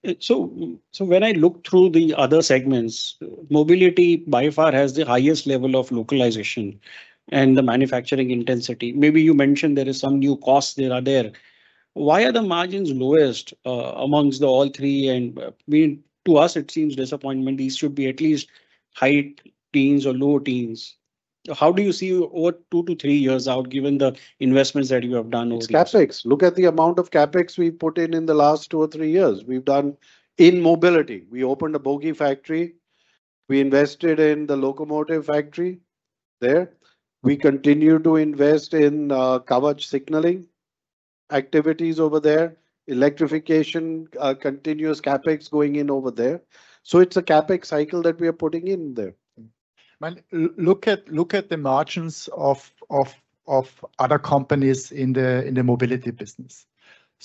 When I look through the other segments, mobility by far has the highest level of localization and the manufacturing intensity. Maybe you mentioned there are some new costs that are there. Why are the margins lowest amongst all three? To us, it seems disappointing. These should be at least high teens or low teens. How do you see over two to three years out, given the investments that you have done over the years? It's CapEx. Look at the amount of CapEx we've put in in the last two or three years. In mobility, we opened a bogie factory. We invested in the locomotive factory there. We continue to invest in covered signaling activities over there, electrification, continuous CapEx going in over there, so it's a CapEx cycle that we are putting in there. Look at the margins of other companies in the mobility business.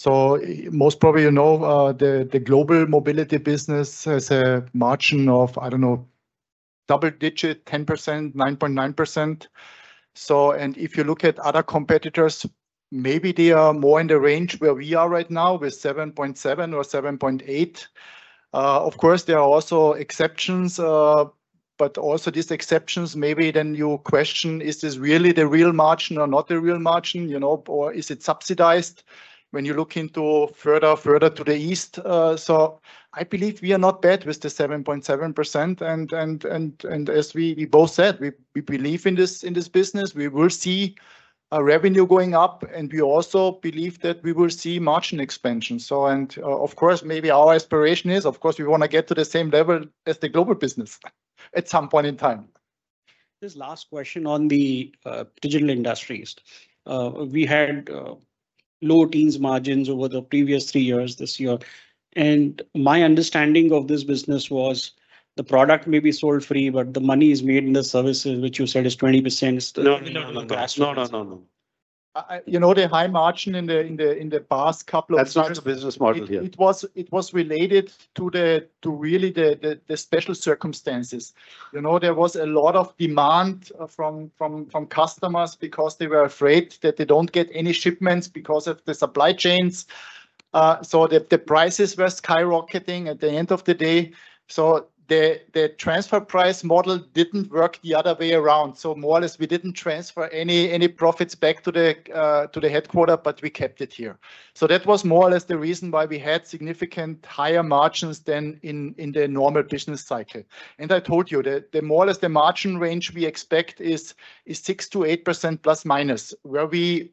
Most probably, you know the global mobility business has a margin of, I don't know, double digit, 10%, 9.9%. And if you look at other competitors, maybe they are more in the range where we are right now with 7.7% or 7.8%. Of course, there are also exceptions. But also these exceptions, maybe then you question, is this really the real margin or not the real margin? Or is it subsidized when you look further to the east? I believe we are not bad with the 7.7%. And as we both said, we believe in this business. We will see revenue going up. We also believe that we will see margin expansion. Of course, maybe our aspiration is, of course, we want to get to the same level as the global business at some point in time. Last question on Digital Industries. We had low-teens margins over the previous three years this year. My understanding of this business was the product may be sold free, but the money is made in the services, which you said is 20%. No, You know, the high margin in the past couple of years. That's not the business model here. It was related to really the special circumstances. There was a lot of demand from customers because they were afraid that they don't get any shipments because of the supply chains. So the prices were skyrocketing at the end of the day. The transfer price model didn't work the other way around. More or less, we didn't transfer any profits back to the headquarters, but we kept it here. That was more or less the reason why we had significant higher margins than in the normal business cycle. I told you that more or less the margin range we expect is 6%-8% plus minus, where we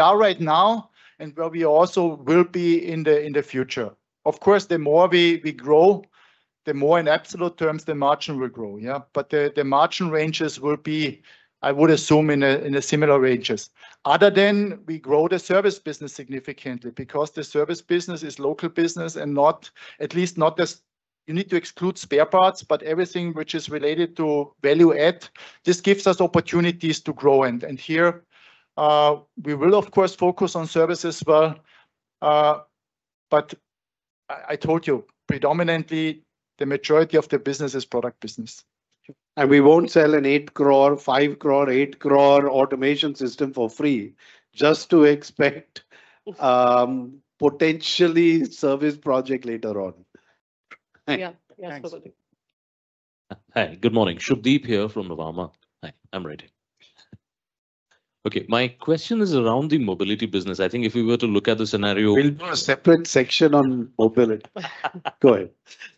are right now and where we also will be in the future. Of course, the more we grow, the more in absolute terms the margin will grow, yeah? But the margin ranges will be, I would assume, in the similar ranges. Other than we grow the service business significantly because the service business is local business and at least not as you need to exclude spare parts, but everything which is related to value add, this gives us opportunities to grow. We will, of course, focus on services as well. But I told you, predominantly, the majority of the business is product business. And we won't sell an 5 crores or 8 crores automation system for free just to expect potentially service project later on. Yeah. [inaudible] Good morning. Subhadip here from Nuvama. My question is around the mobility business. I think if we were to look at the scenario.. We'll do a separate section on mobility. Go ahead.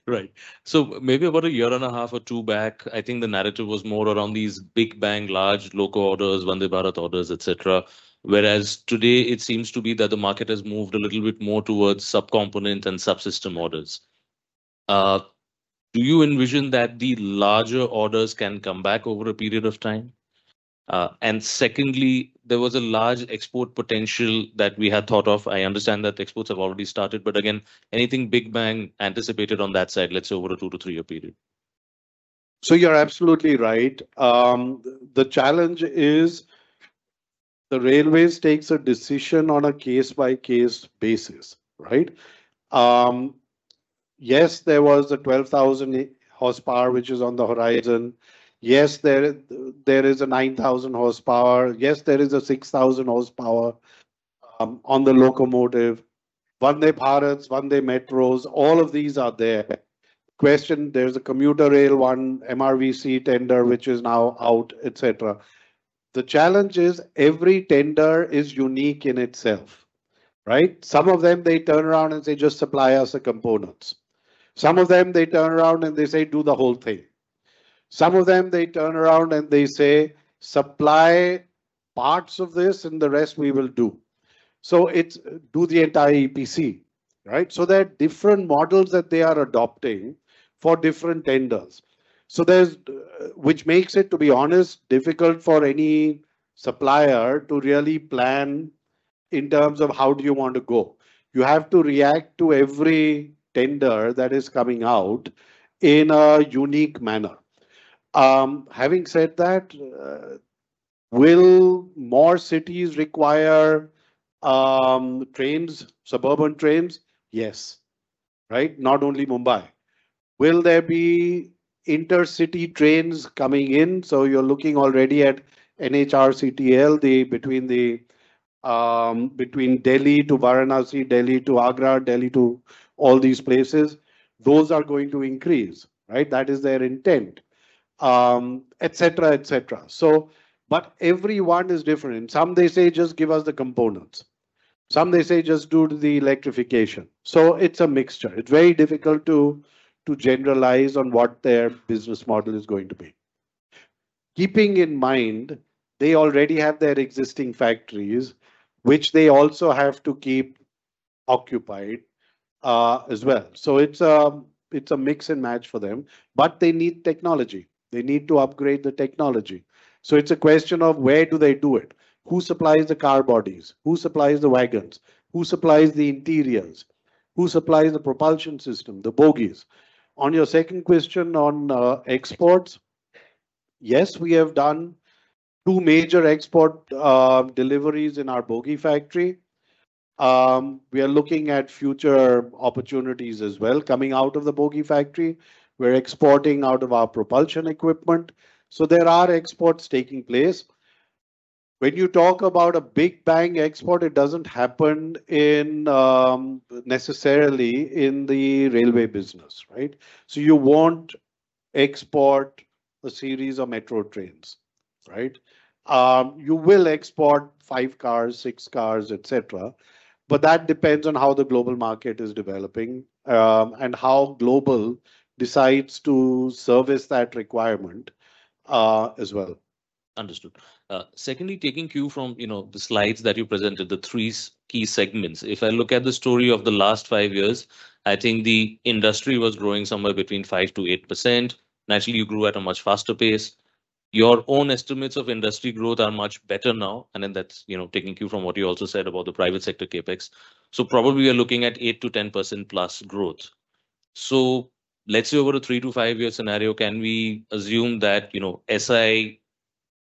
About a year and a half or two back, I think the narrative was more around these big bang, large local orders, Vande Bharat orders, etc. Whereas today, it seems to be that the market has moved a little bit more towards subcomponent and subsystem orders. Do you envision that the larger orders can come back over a period of time?S econdly, there was a large export potential that we had thought of. I understand that exports have already started. But again, anything big bang anticipated on that side, let's say over a two to three-year period? You're absolutely right. The challenge is the railways takes a decision on a case-by-case basis, right? Yes, there was a 12,000 horsepower, which is on the horizon. Yes, there is a 9,000 horsepower. Yes, there is a 6,000 horsepower on the locomotive. Vande Bharat, Vande Metro, all of these are there. Question, there's a commuter rail one, MRVC tender, which is now out, etc. The challenge is every tender is unique in itself. Some of them, they turn around and say, "Just supply us the components." Some of them, they turn around and they say, "Do the whole thing." Some of them, they turn around and they say, "Supply parts of this and the rest we will do." So it's do the entire EPC, right? So there are different models that they are adopting for different tenders, which makes it, to be honest, difficult for any supplier to really plan in terms of how do you want to go. You have to react to every tender that is coming out in a unique manner. Having said that, will more cities require suburban trains? Yes, right? Not only Mumbai. Will there be intercity trains coming in? So you're looking already at NHRCTL, between Delhi to Varanasi, Delhi to Agra, Delhi to all these places. Those are going to increase, right? That is their intent, etc., etc. But everyone is different. Some they say, "Just give us the components." Some they say, "Just do the electrification." So it's a mixture. It's very difficult to generalize on what their business model is going to be. Keeping in mind, they already have their existing factories, which they also have to keep occupied as well. It's a mix and match for them. But they need technology. They need to upgrade the technology. So it's a question of where do they do it? Who supplies the car bodies? Who supplies the wagons? Who supplies the interiors? Who supplies the propulsion system, the bogies? On your second question on exports, yes, we have done two major export deliveries in our bogie factory. We are looking at future opportunities as well coming out of the bogie factory. We're exporting out of our propulsion equipment. There are exports taking place. When you talk about a big bang export, it doesn't happen necessarily in the railway business, right? So you won't export a series of metro trains, right? You will export five cars, six cars, etc. That depends on how the global market is developing and how global decides to service that requirement as well. Understood. Secondly, taking cue from the slides that you presented, the three key segments, if I look at the story of the last five years, I think the industry was growing somewhere between 5% to8%. Naturally, you grew at a much faster pace. Your own estimates of industry growth are much better now. And then that's taking cue from what you also said about the private sector CapEx. So probably we are looking at 8% to 10% plus growth. Let's say over a three- to five-year scenario, can we assume that SI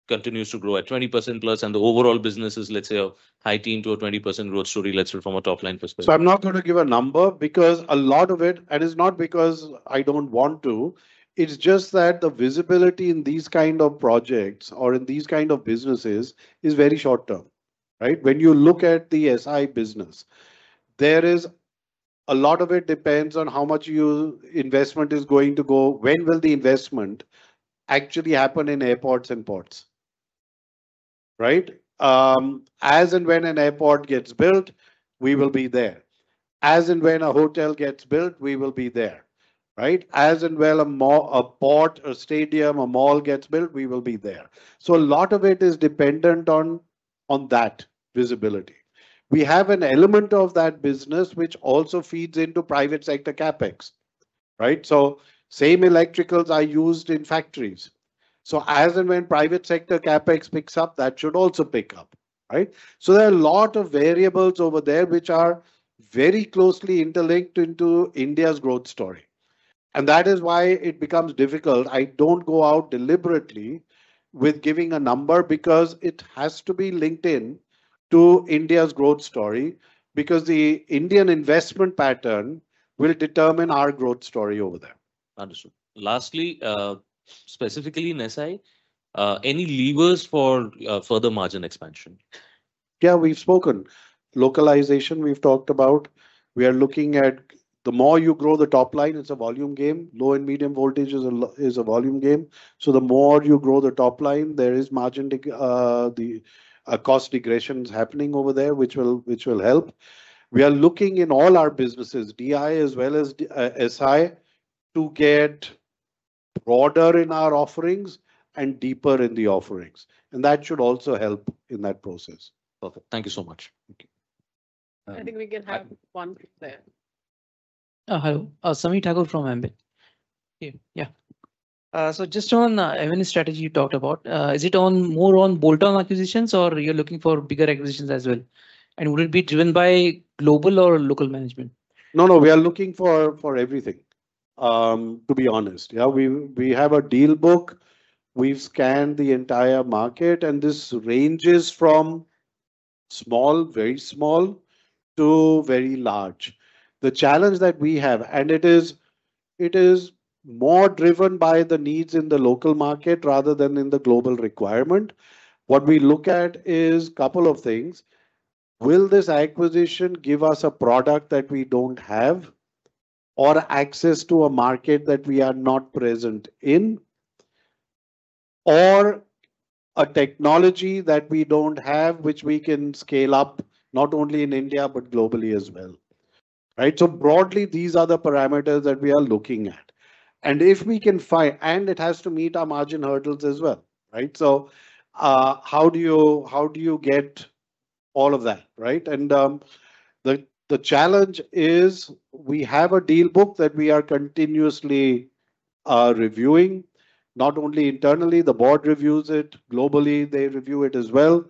continues to grow at 20% plus and the overall business is, let's say, a high-teens to 20% growth story, let's say, from a top-line perspective? I'm not going to give a number because a lot of it, and it's not because I don't want to, it's just that the visibility in these kinds of projects or in these kinds of businesses is very short-term, right? When you look at the SI business, a lot of it depends on how much investment is going to go, when will the investment actually happen in airports and ports, right? As and when an airport gets built, we will be there. As and when a hotel gets built, we will be there, right? As and when a port, a stadium, a mall gets built, we will be there. So a lot of it is dependent on that visibility. We have an element of that business which also feeds into private sector CapEx, right? So same electricals are used in factories. So as and when private sector CapEx picks up, that should also pick up, right? So there are a lot of variables over there which are very closely interlinked into India's growth story. And that is why it becomes difficult. I don't go out deliberately with giving a number because it has to be linked in to India's growth story because the Indian investment pattern will determine our growth story over there. Understood. Lastly, specifically in SI, any levers for further margin expansion? We've spoken. Localization, we've talked about. We are looking at the more you grow the top line, it's a volume game. Low and medium voltage is a volume game. So the more you grow the top line, there is a cost degression happening over there, which will help. We are looking in all our businesses, DI as well as SI, to get broader in our offerings and deeper in the offerings. And that should also help in that process. Perfect. Thank you so much. I think we can have one question there. Sameer Thakur from Ambit. On M&A strategy you talked about, is it more on bolt-on acquisitions or you're looking for bigger acquisitions as well? And would it be driven by global or local management? We are looking for everything, to be honest. We have a deal book. We've scanned the entire market, and this ranges from small, very small, to very large. The challenge that we have, and it is more driven by the needs in the local market rather than in the global requirement. What we look at is a couple of things. Will this acquisition give us a product that we don't have or access to a market that we are not present in, or a technology that we don't have, which we can scale up not only in India but globally as well? Broadly, these are the parameters that we are looking at. And if we can find, and it has to meet our margin hurdles as well, right? So how do you get all of that, right? And the challenge is we have a deal book that we are continuously reviewing, not only internally. The board reviews it. Globally, they review it as well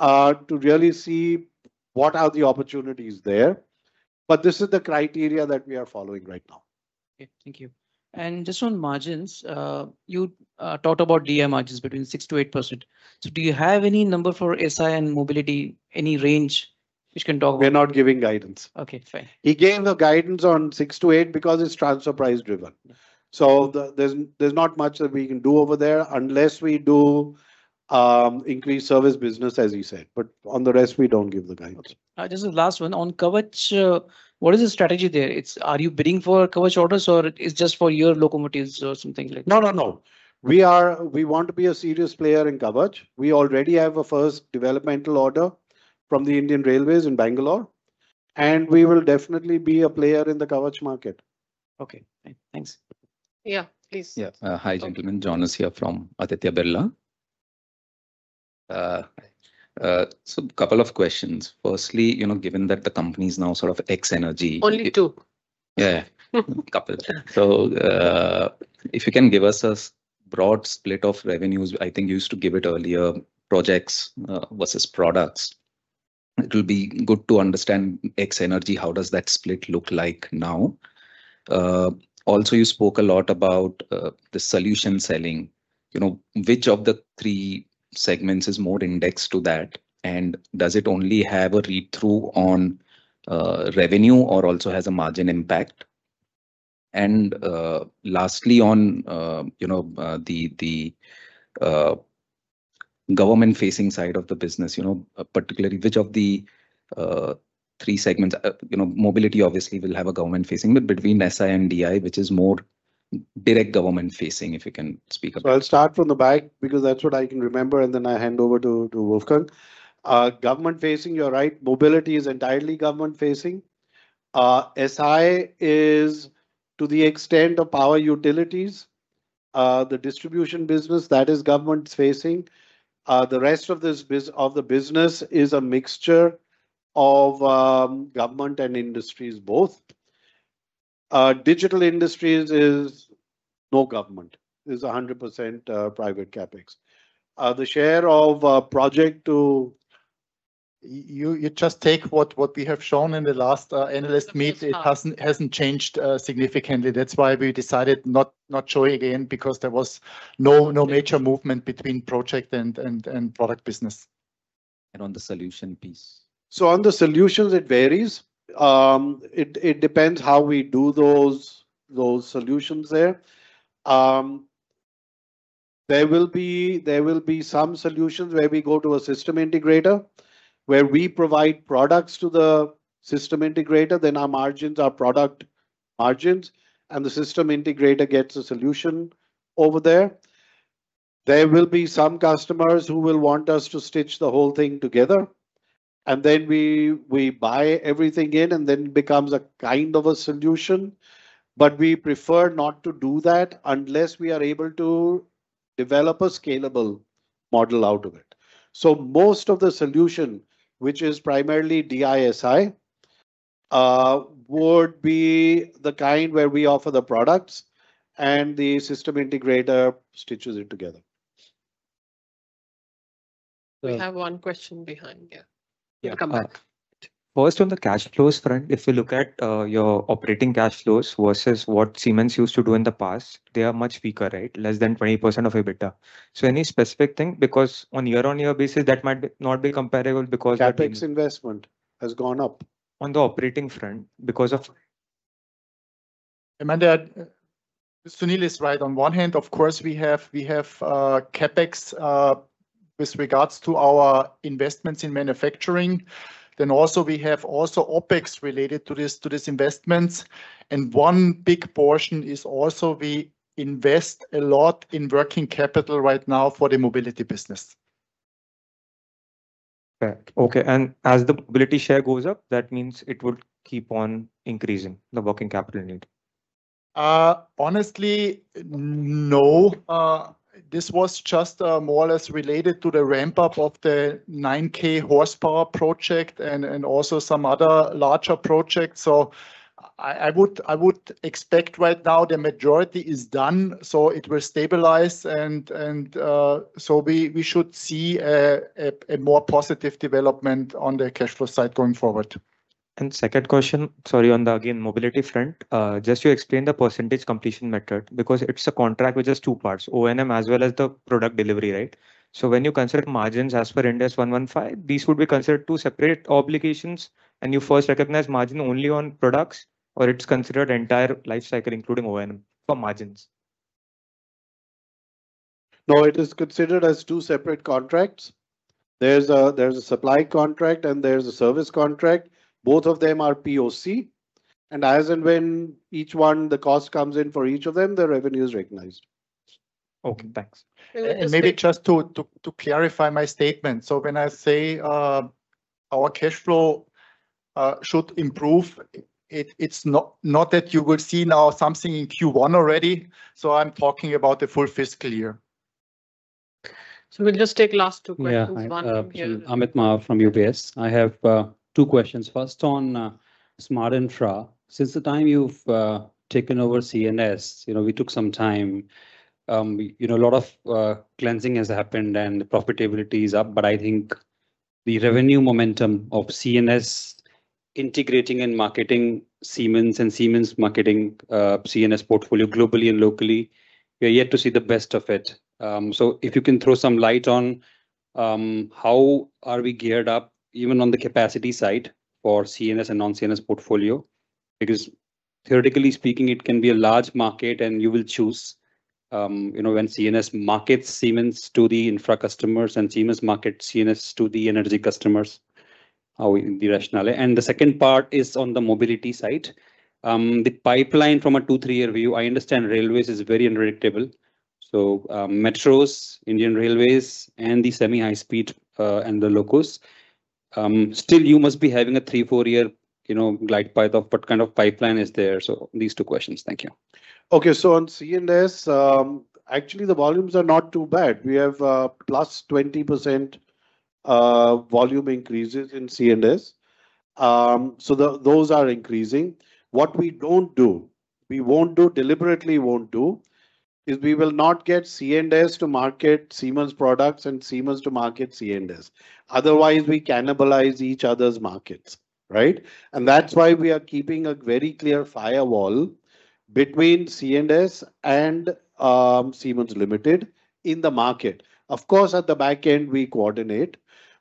to really see what are the opportunities there. But this is the criteria that we are following right now. Thank you, and just on margins, you talked about DI margins between 6% to 8%. So do you have any number for SI and mobility, any range which can talk about?W We're not giving guidance. Okay. Fair. He gave the guidance on 6% to 8% because it's transfer price driven. So there's not much that we can do over there unless we do increase service business, as he said. But on the rest, we don't give the guidance. The last one, on Kavach, what is the strategy there? Are you bidding for Kavach orders or it's just for your locomotives or something like that? No. We want to be a serious player in Kavach. We already have a first developmental order from the Indian Railways in Bangalore. And we will definitely be a player in the Kavach market. Thanks. Yeah, please. Hi, gentlemen. Jonas here from Aditya Birla. So a couple of questions. Firstly, given that the company is now sort of ex-Energy. - Only two. Couple. If you can give us a broad split of revenues, I think you used to give it earlier, projects versus products. It will be good to understand ex-Energy, how does that split look like now? Also, you spoke a lot about the solution selling. Which of the three segments is more indexed to that? And does it only have a read-through on revenue or also has a margin impact? Lastly, on the government-facing side of the business, particularly which of the three segments? Mobility, obviously, will have a government-facing, but between SI and DI, which is more direct government-facing, if you can speak about it. I'll start from the back because that's what I can remember, and then I hand over to Wolfgang. Government-facing, you're right. Mobility is entirely government-facing. SI is, to the extent of power utilities, the distribution business that is government-facing. The rest of the business is a mixture of government and industries both. Digital Industries is no government. It's 100% private CapEx. The share of project, to... You just take what we have shown in the last analyst meet; it hasn't changed significantly. That's why we decided not to show it again because there was no major movement between project and product business. And on the solution piece? So on the solutions, it varies. It depends how we do those solutions there. There will be some solutions where we go to a system integrator, where we provide products to the system integrator. Then our margins are product margins, and the system integrator gets a solution over there. There will be some customers who will want us to stitch the whole thing together. And then we buy everything in, and then it becomes a kind of a solution. We prefer not to do that unless we are able to develop a scalable model out of it. So most of the solution, which is primarily DI/SI, would be the kind where we offer the products, and the system integrator stitches it together. We have one question behind here. Come back. First, on the cash flows front, if you look at your operating cash flows versus what Siemens used to do in the past, they are much weaker, right? Less than 20% of EBITDA. Any specific thing? Because on year-on-year basis, that might not be comparable because.. CapEx investment has gone up. On the operating front, because of.. Sunil is right. On one hand, of course, we have CapEx with regards to our investments in manufacturing. Then also, we have also OpEx related to these investments. And one big portion is also we invest a lot in working capital right now for the Mobility business. As the Mobility share goes up, that means it would keep on increasing, the working capital need? Honestly, no. This was just more or less related to the ramp-up of the 9K horsepower project and also some other larger projects. So I would expect right now the majority is done, so it will stabilize. And so we should see a more positive development on the cash flow side going forward. Second question, sorry, on the mobility front again, just to explain the percentage completion method, because it's a contract with just two parts, O&M as well as the product delivery, right? So when you consider margins as per Ind AS 115, these would be considered two separate obligations. And you first recognize margin only on products, or it's considered entire life cycle, including O&M for margins? No, it is considered as two separate contracts. There's a supply contract, and there's a service contract. Both of them are POC. And as and when each one, the cost comes in for each of them, the revenue is recognized. Thanks. To clarify my statement. So when I say our cash flow should improve, it's not that you would see now something in Q1 already. I'm talking about the full fiscal year. So we'll just take last two questions. Amit Mahawar from UBS. I have two questions. First, on Smart Infra. Since the time you've taken over C&S, we took some time. A lot of cleansing has happened, and profitability is up. But I think the revenue momentum of C&S integrating and marketing Siemens and Siemens marketing C&S portfolio globally and locally, we are yet to see the best of it. So if you can throw some light on how are we geared up, even on the capacity side for C&S and non-C&S portfolio, because theoretically speaking, it can be a large market, and you will choose when C&S markets Siemens to the infra customers and Siemens markets C&S to the energy customers, what would be the rationale? The second part is on the mobility side. The pipeline from a two-three-year view, I understand railways is very unpredictable. So metros, Indian Railways, and the semi-high-speed and the locos. Still, you must be having a three or four-year glide path of what kind of pipeline is there? These two questions. Thank you. On C&S, actually, the volumes are not too bad. We have plus 20% volume increases in C&S. So those are increasing. What we don't do, we won't do, deliberately won't do, is we will not get C&S to market Siemens products and Siemens to market C&S. Otherwise, we cannibalize each other's markets, right? And that's why we are keeping a very clear firewall between C&S and Siemens Limited in the market. Of course, at the back end, we coordinate,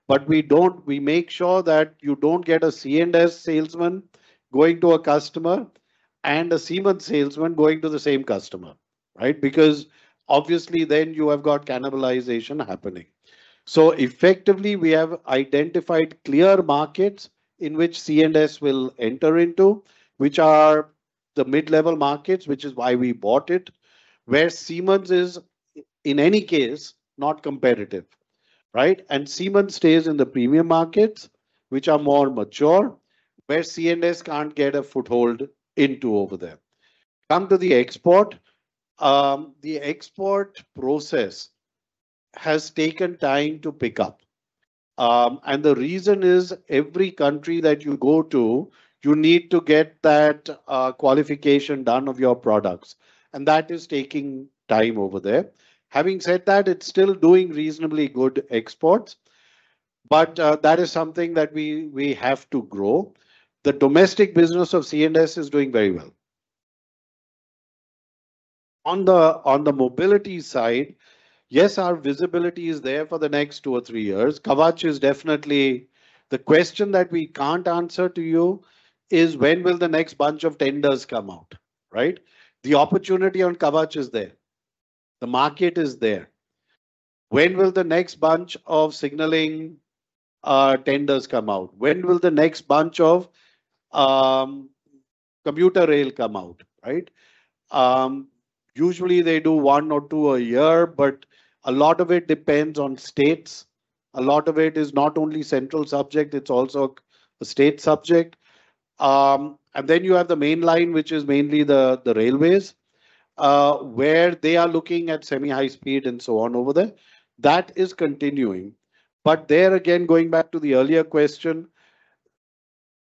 but we make sure that you don't get a C&S salesman going to a customer and a Siemens salesman going to the same customer, right? Because obviously, then you have got cannibalization happening. Effectively, we have identified clear markets in which C&S will enter into, which are the mid-level markets, which is why we bought it, where Siemens is, in any case, not competitive, right? And Siemens stays in the premium markets, which are more mature, where C&S can't get a foothold into over there. Come to the export. The export process has taken time to pick up. And the reason is every country that you go to, you need to get that qualification done of your products. And that is taking time over there. Having said that, it's still doing reasonably good exports. But that is something that we have to grow. The domestic business of C&S is doing very well. On the mobility side, yes, our visibility is there for the next two or three years. Kavach is definitely the question that we can't answer to you, is when will the next bunch of tenders come out, right? The opportunity on Kavach is there. The market is there. When will the next bunch of signaling tenders come out? When will the next bunch of commuter rail come out, right? Usually, they do one or two a year, but a lot of it depends on states. A lot of it is not only central subject. It's also a state subject, and then you have the main line, which is mainly the railways, where they are looking at semi-high-speed and so on over there. That is continuing. Going back to the earlier question,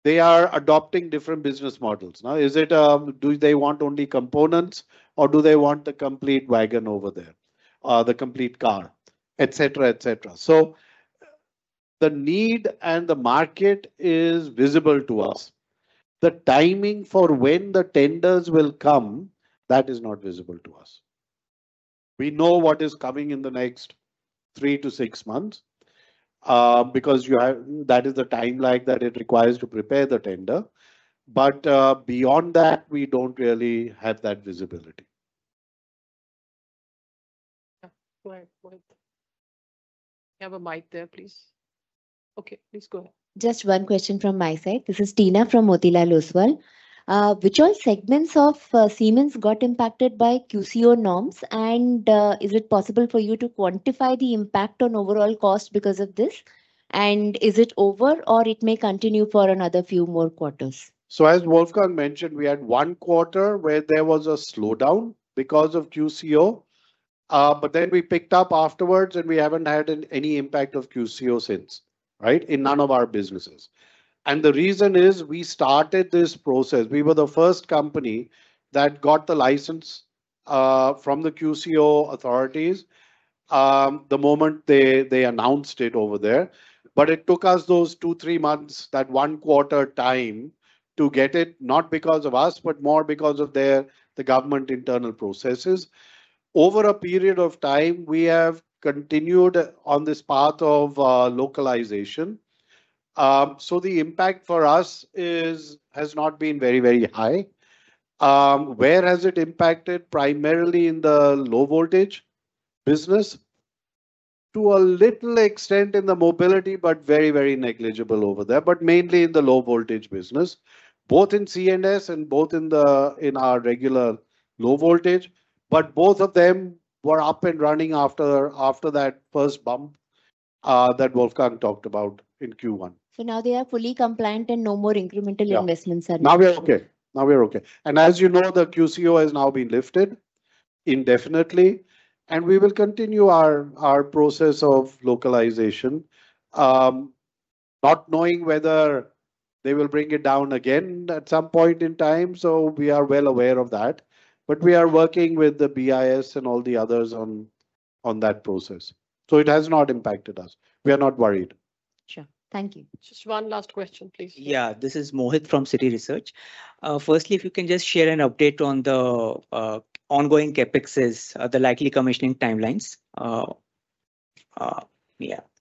they are adopting different business models. Now, do they want only components, or do they want the complete wagon over there, the complete car. The need and the market is visible to us. The timing for when the tenders will come, that is not visible to us. We know what is coming in the next three to six months because that is the time lag that it requires to prepare the tender. But beyond that, we don't really have that visibility. Please go ahead. Just one question from my side. This is Teena from Motilal Oswal. Which all segments of Siemens got impacted by QCO norms? Is it possible for you to quantify the impact on overall cost because of this? And is it over, or it may continue for another few more quarters? As Wolfgang mentioned, we had one quarter where there was a slowdown because of QCO. We picked up afterwards, and we haven't had any impact of QCO since, right, in none of our businesses. The reason is we started this process. We were the first company that got the license from the QCO authorities the moment they announced it over there. But it took us those two, three months, that one quarter time to get it, not because of us, but more because of the government internal processes. Over a period of time, we have continued on this path of localization. So the impact for us has not been very, very high. Where has it impacted? Primarily in the low-voltage business, to a little extent in the mobility, but very, very negligible over there, but mainly in the low-voltage business, both in C&S and both in our regular low-voltage. But both of them were up and running after that first bump that Wolfgang talked about in Q1. Now they are fully compliant and no more incremental investments are needed? Now we're okay. And as you know, the QCO has now been lifted indefinitely. And we will continue our process of localization, not knowing whether they will bring it down again at some point in time. So we are well aware of that. But we are working with the BIS and all the others on that process. So it has not impacted us. We are not worried. Sure. Thank you. Just one last question, please. This is Mohit from Citi Research. Firstly, if you can just share an update on the ongoing CapExes, the likely commissioning timelines?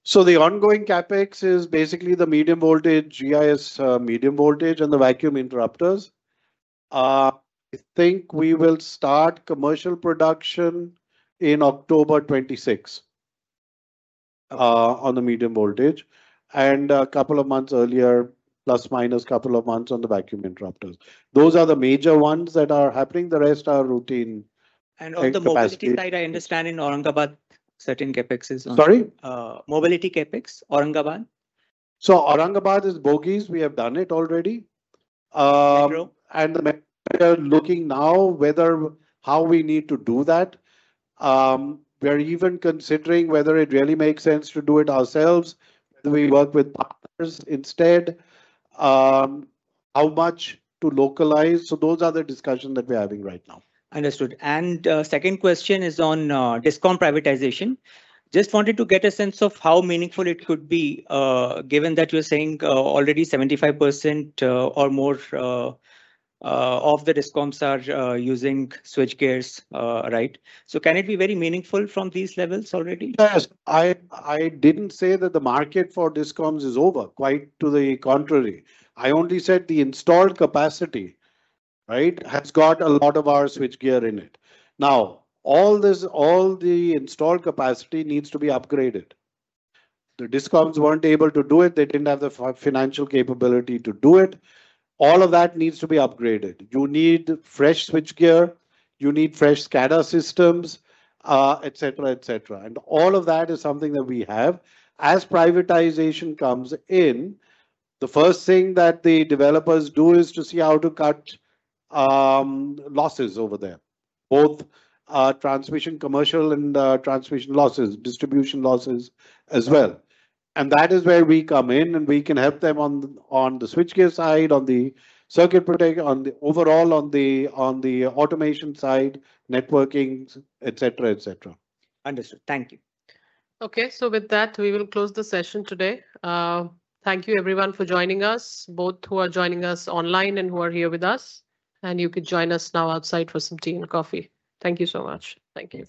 The ongoing CapEx is basically the medium voltage, GIS medium voltage, and the vacuum interrupters. We will start commercial production in October, 2026 on the medium voltage, and a couple of months earlier, plus minus a couple of months on the vacuum interrupters. Those are the major ones that are happening. The rest are routine capacity. On the mobility side.. I understand in Aurangabad, certain CapEx is on. Sorry? Mobility CapEx, Aurangabad? Aurangabad is bogies. We have done it already. We are looking now whether how we need to do that. We are even considering whether it really makes sense to do it ourselves, whether we work with partners instead, how much to localize. So those are the discussions that we're having right now. Understood. Second question is on discom privatization. Just wanted to get a sense of how meaningful it could be, given that you're saying already 75% or more of the discoms are using switchgear, right? Can it be very meaningful from these levels already? Yes. I didn't say that the market for discoms is over. Quite to the contrary. I only said the installed capacity, right, has got a lot of our switchgear in it. Now, all the installed capacity needs to be upgraded. The discoms weren't able to do it. They didn't have the financial capability to do it. All of that needs to be upgraded. You need fresh switchgear. You need fresh SCADA systems, etc., etc. And all of that is something that we have. As privatization comes in, the first thing that the developers do is to see how to cut losses over there, both transmission commercial and transmission losses, distribution losses as well. And that is where we come in, and we can help them on the switchgear side, on the circuit protection, overall on the automation side, networking, etc,. Understood. Thank you. With that, we will close the session today. Thank you, everyone, for joining us, both who are joining us online and who are here with us. And you could join us now outside for some tea and coffee. Thank you so much. Thank you.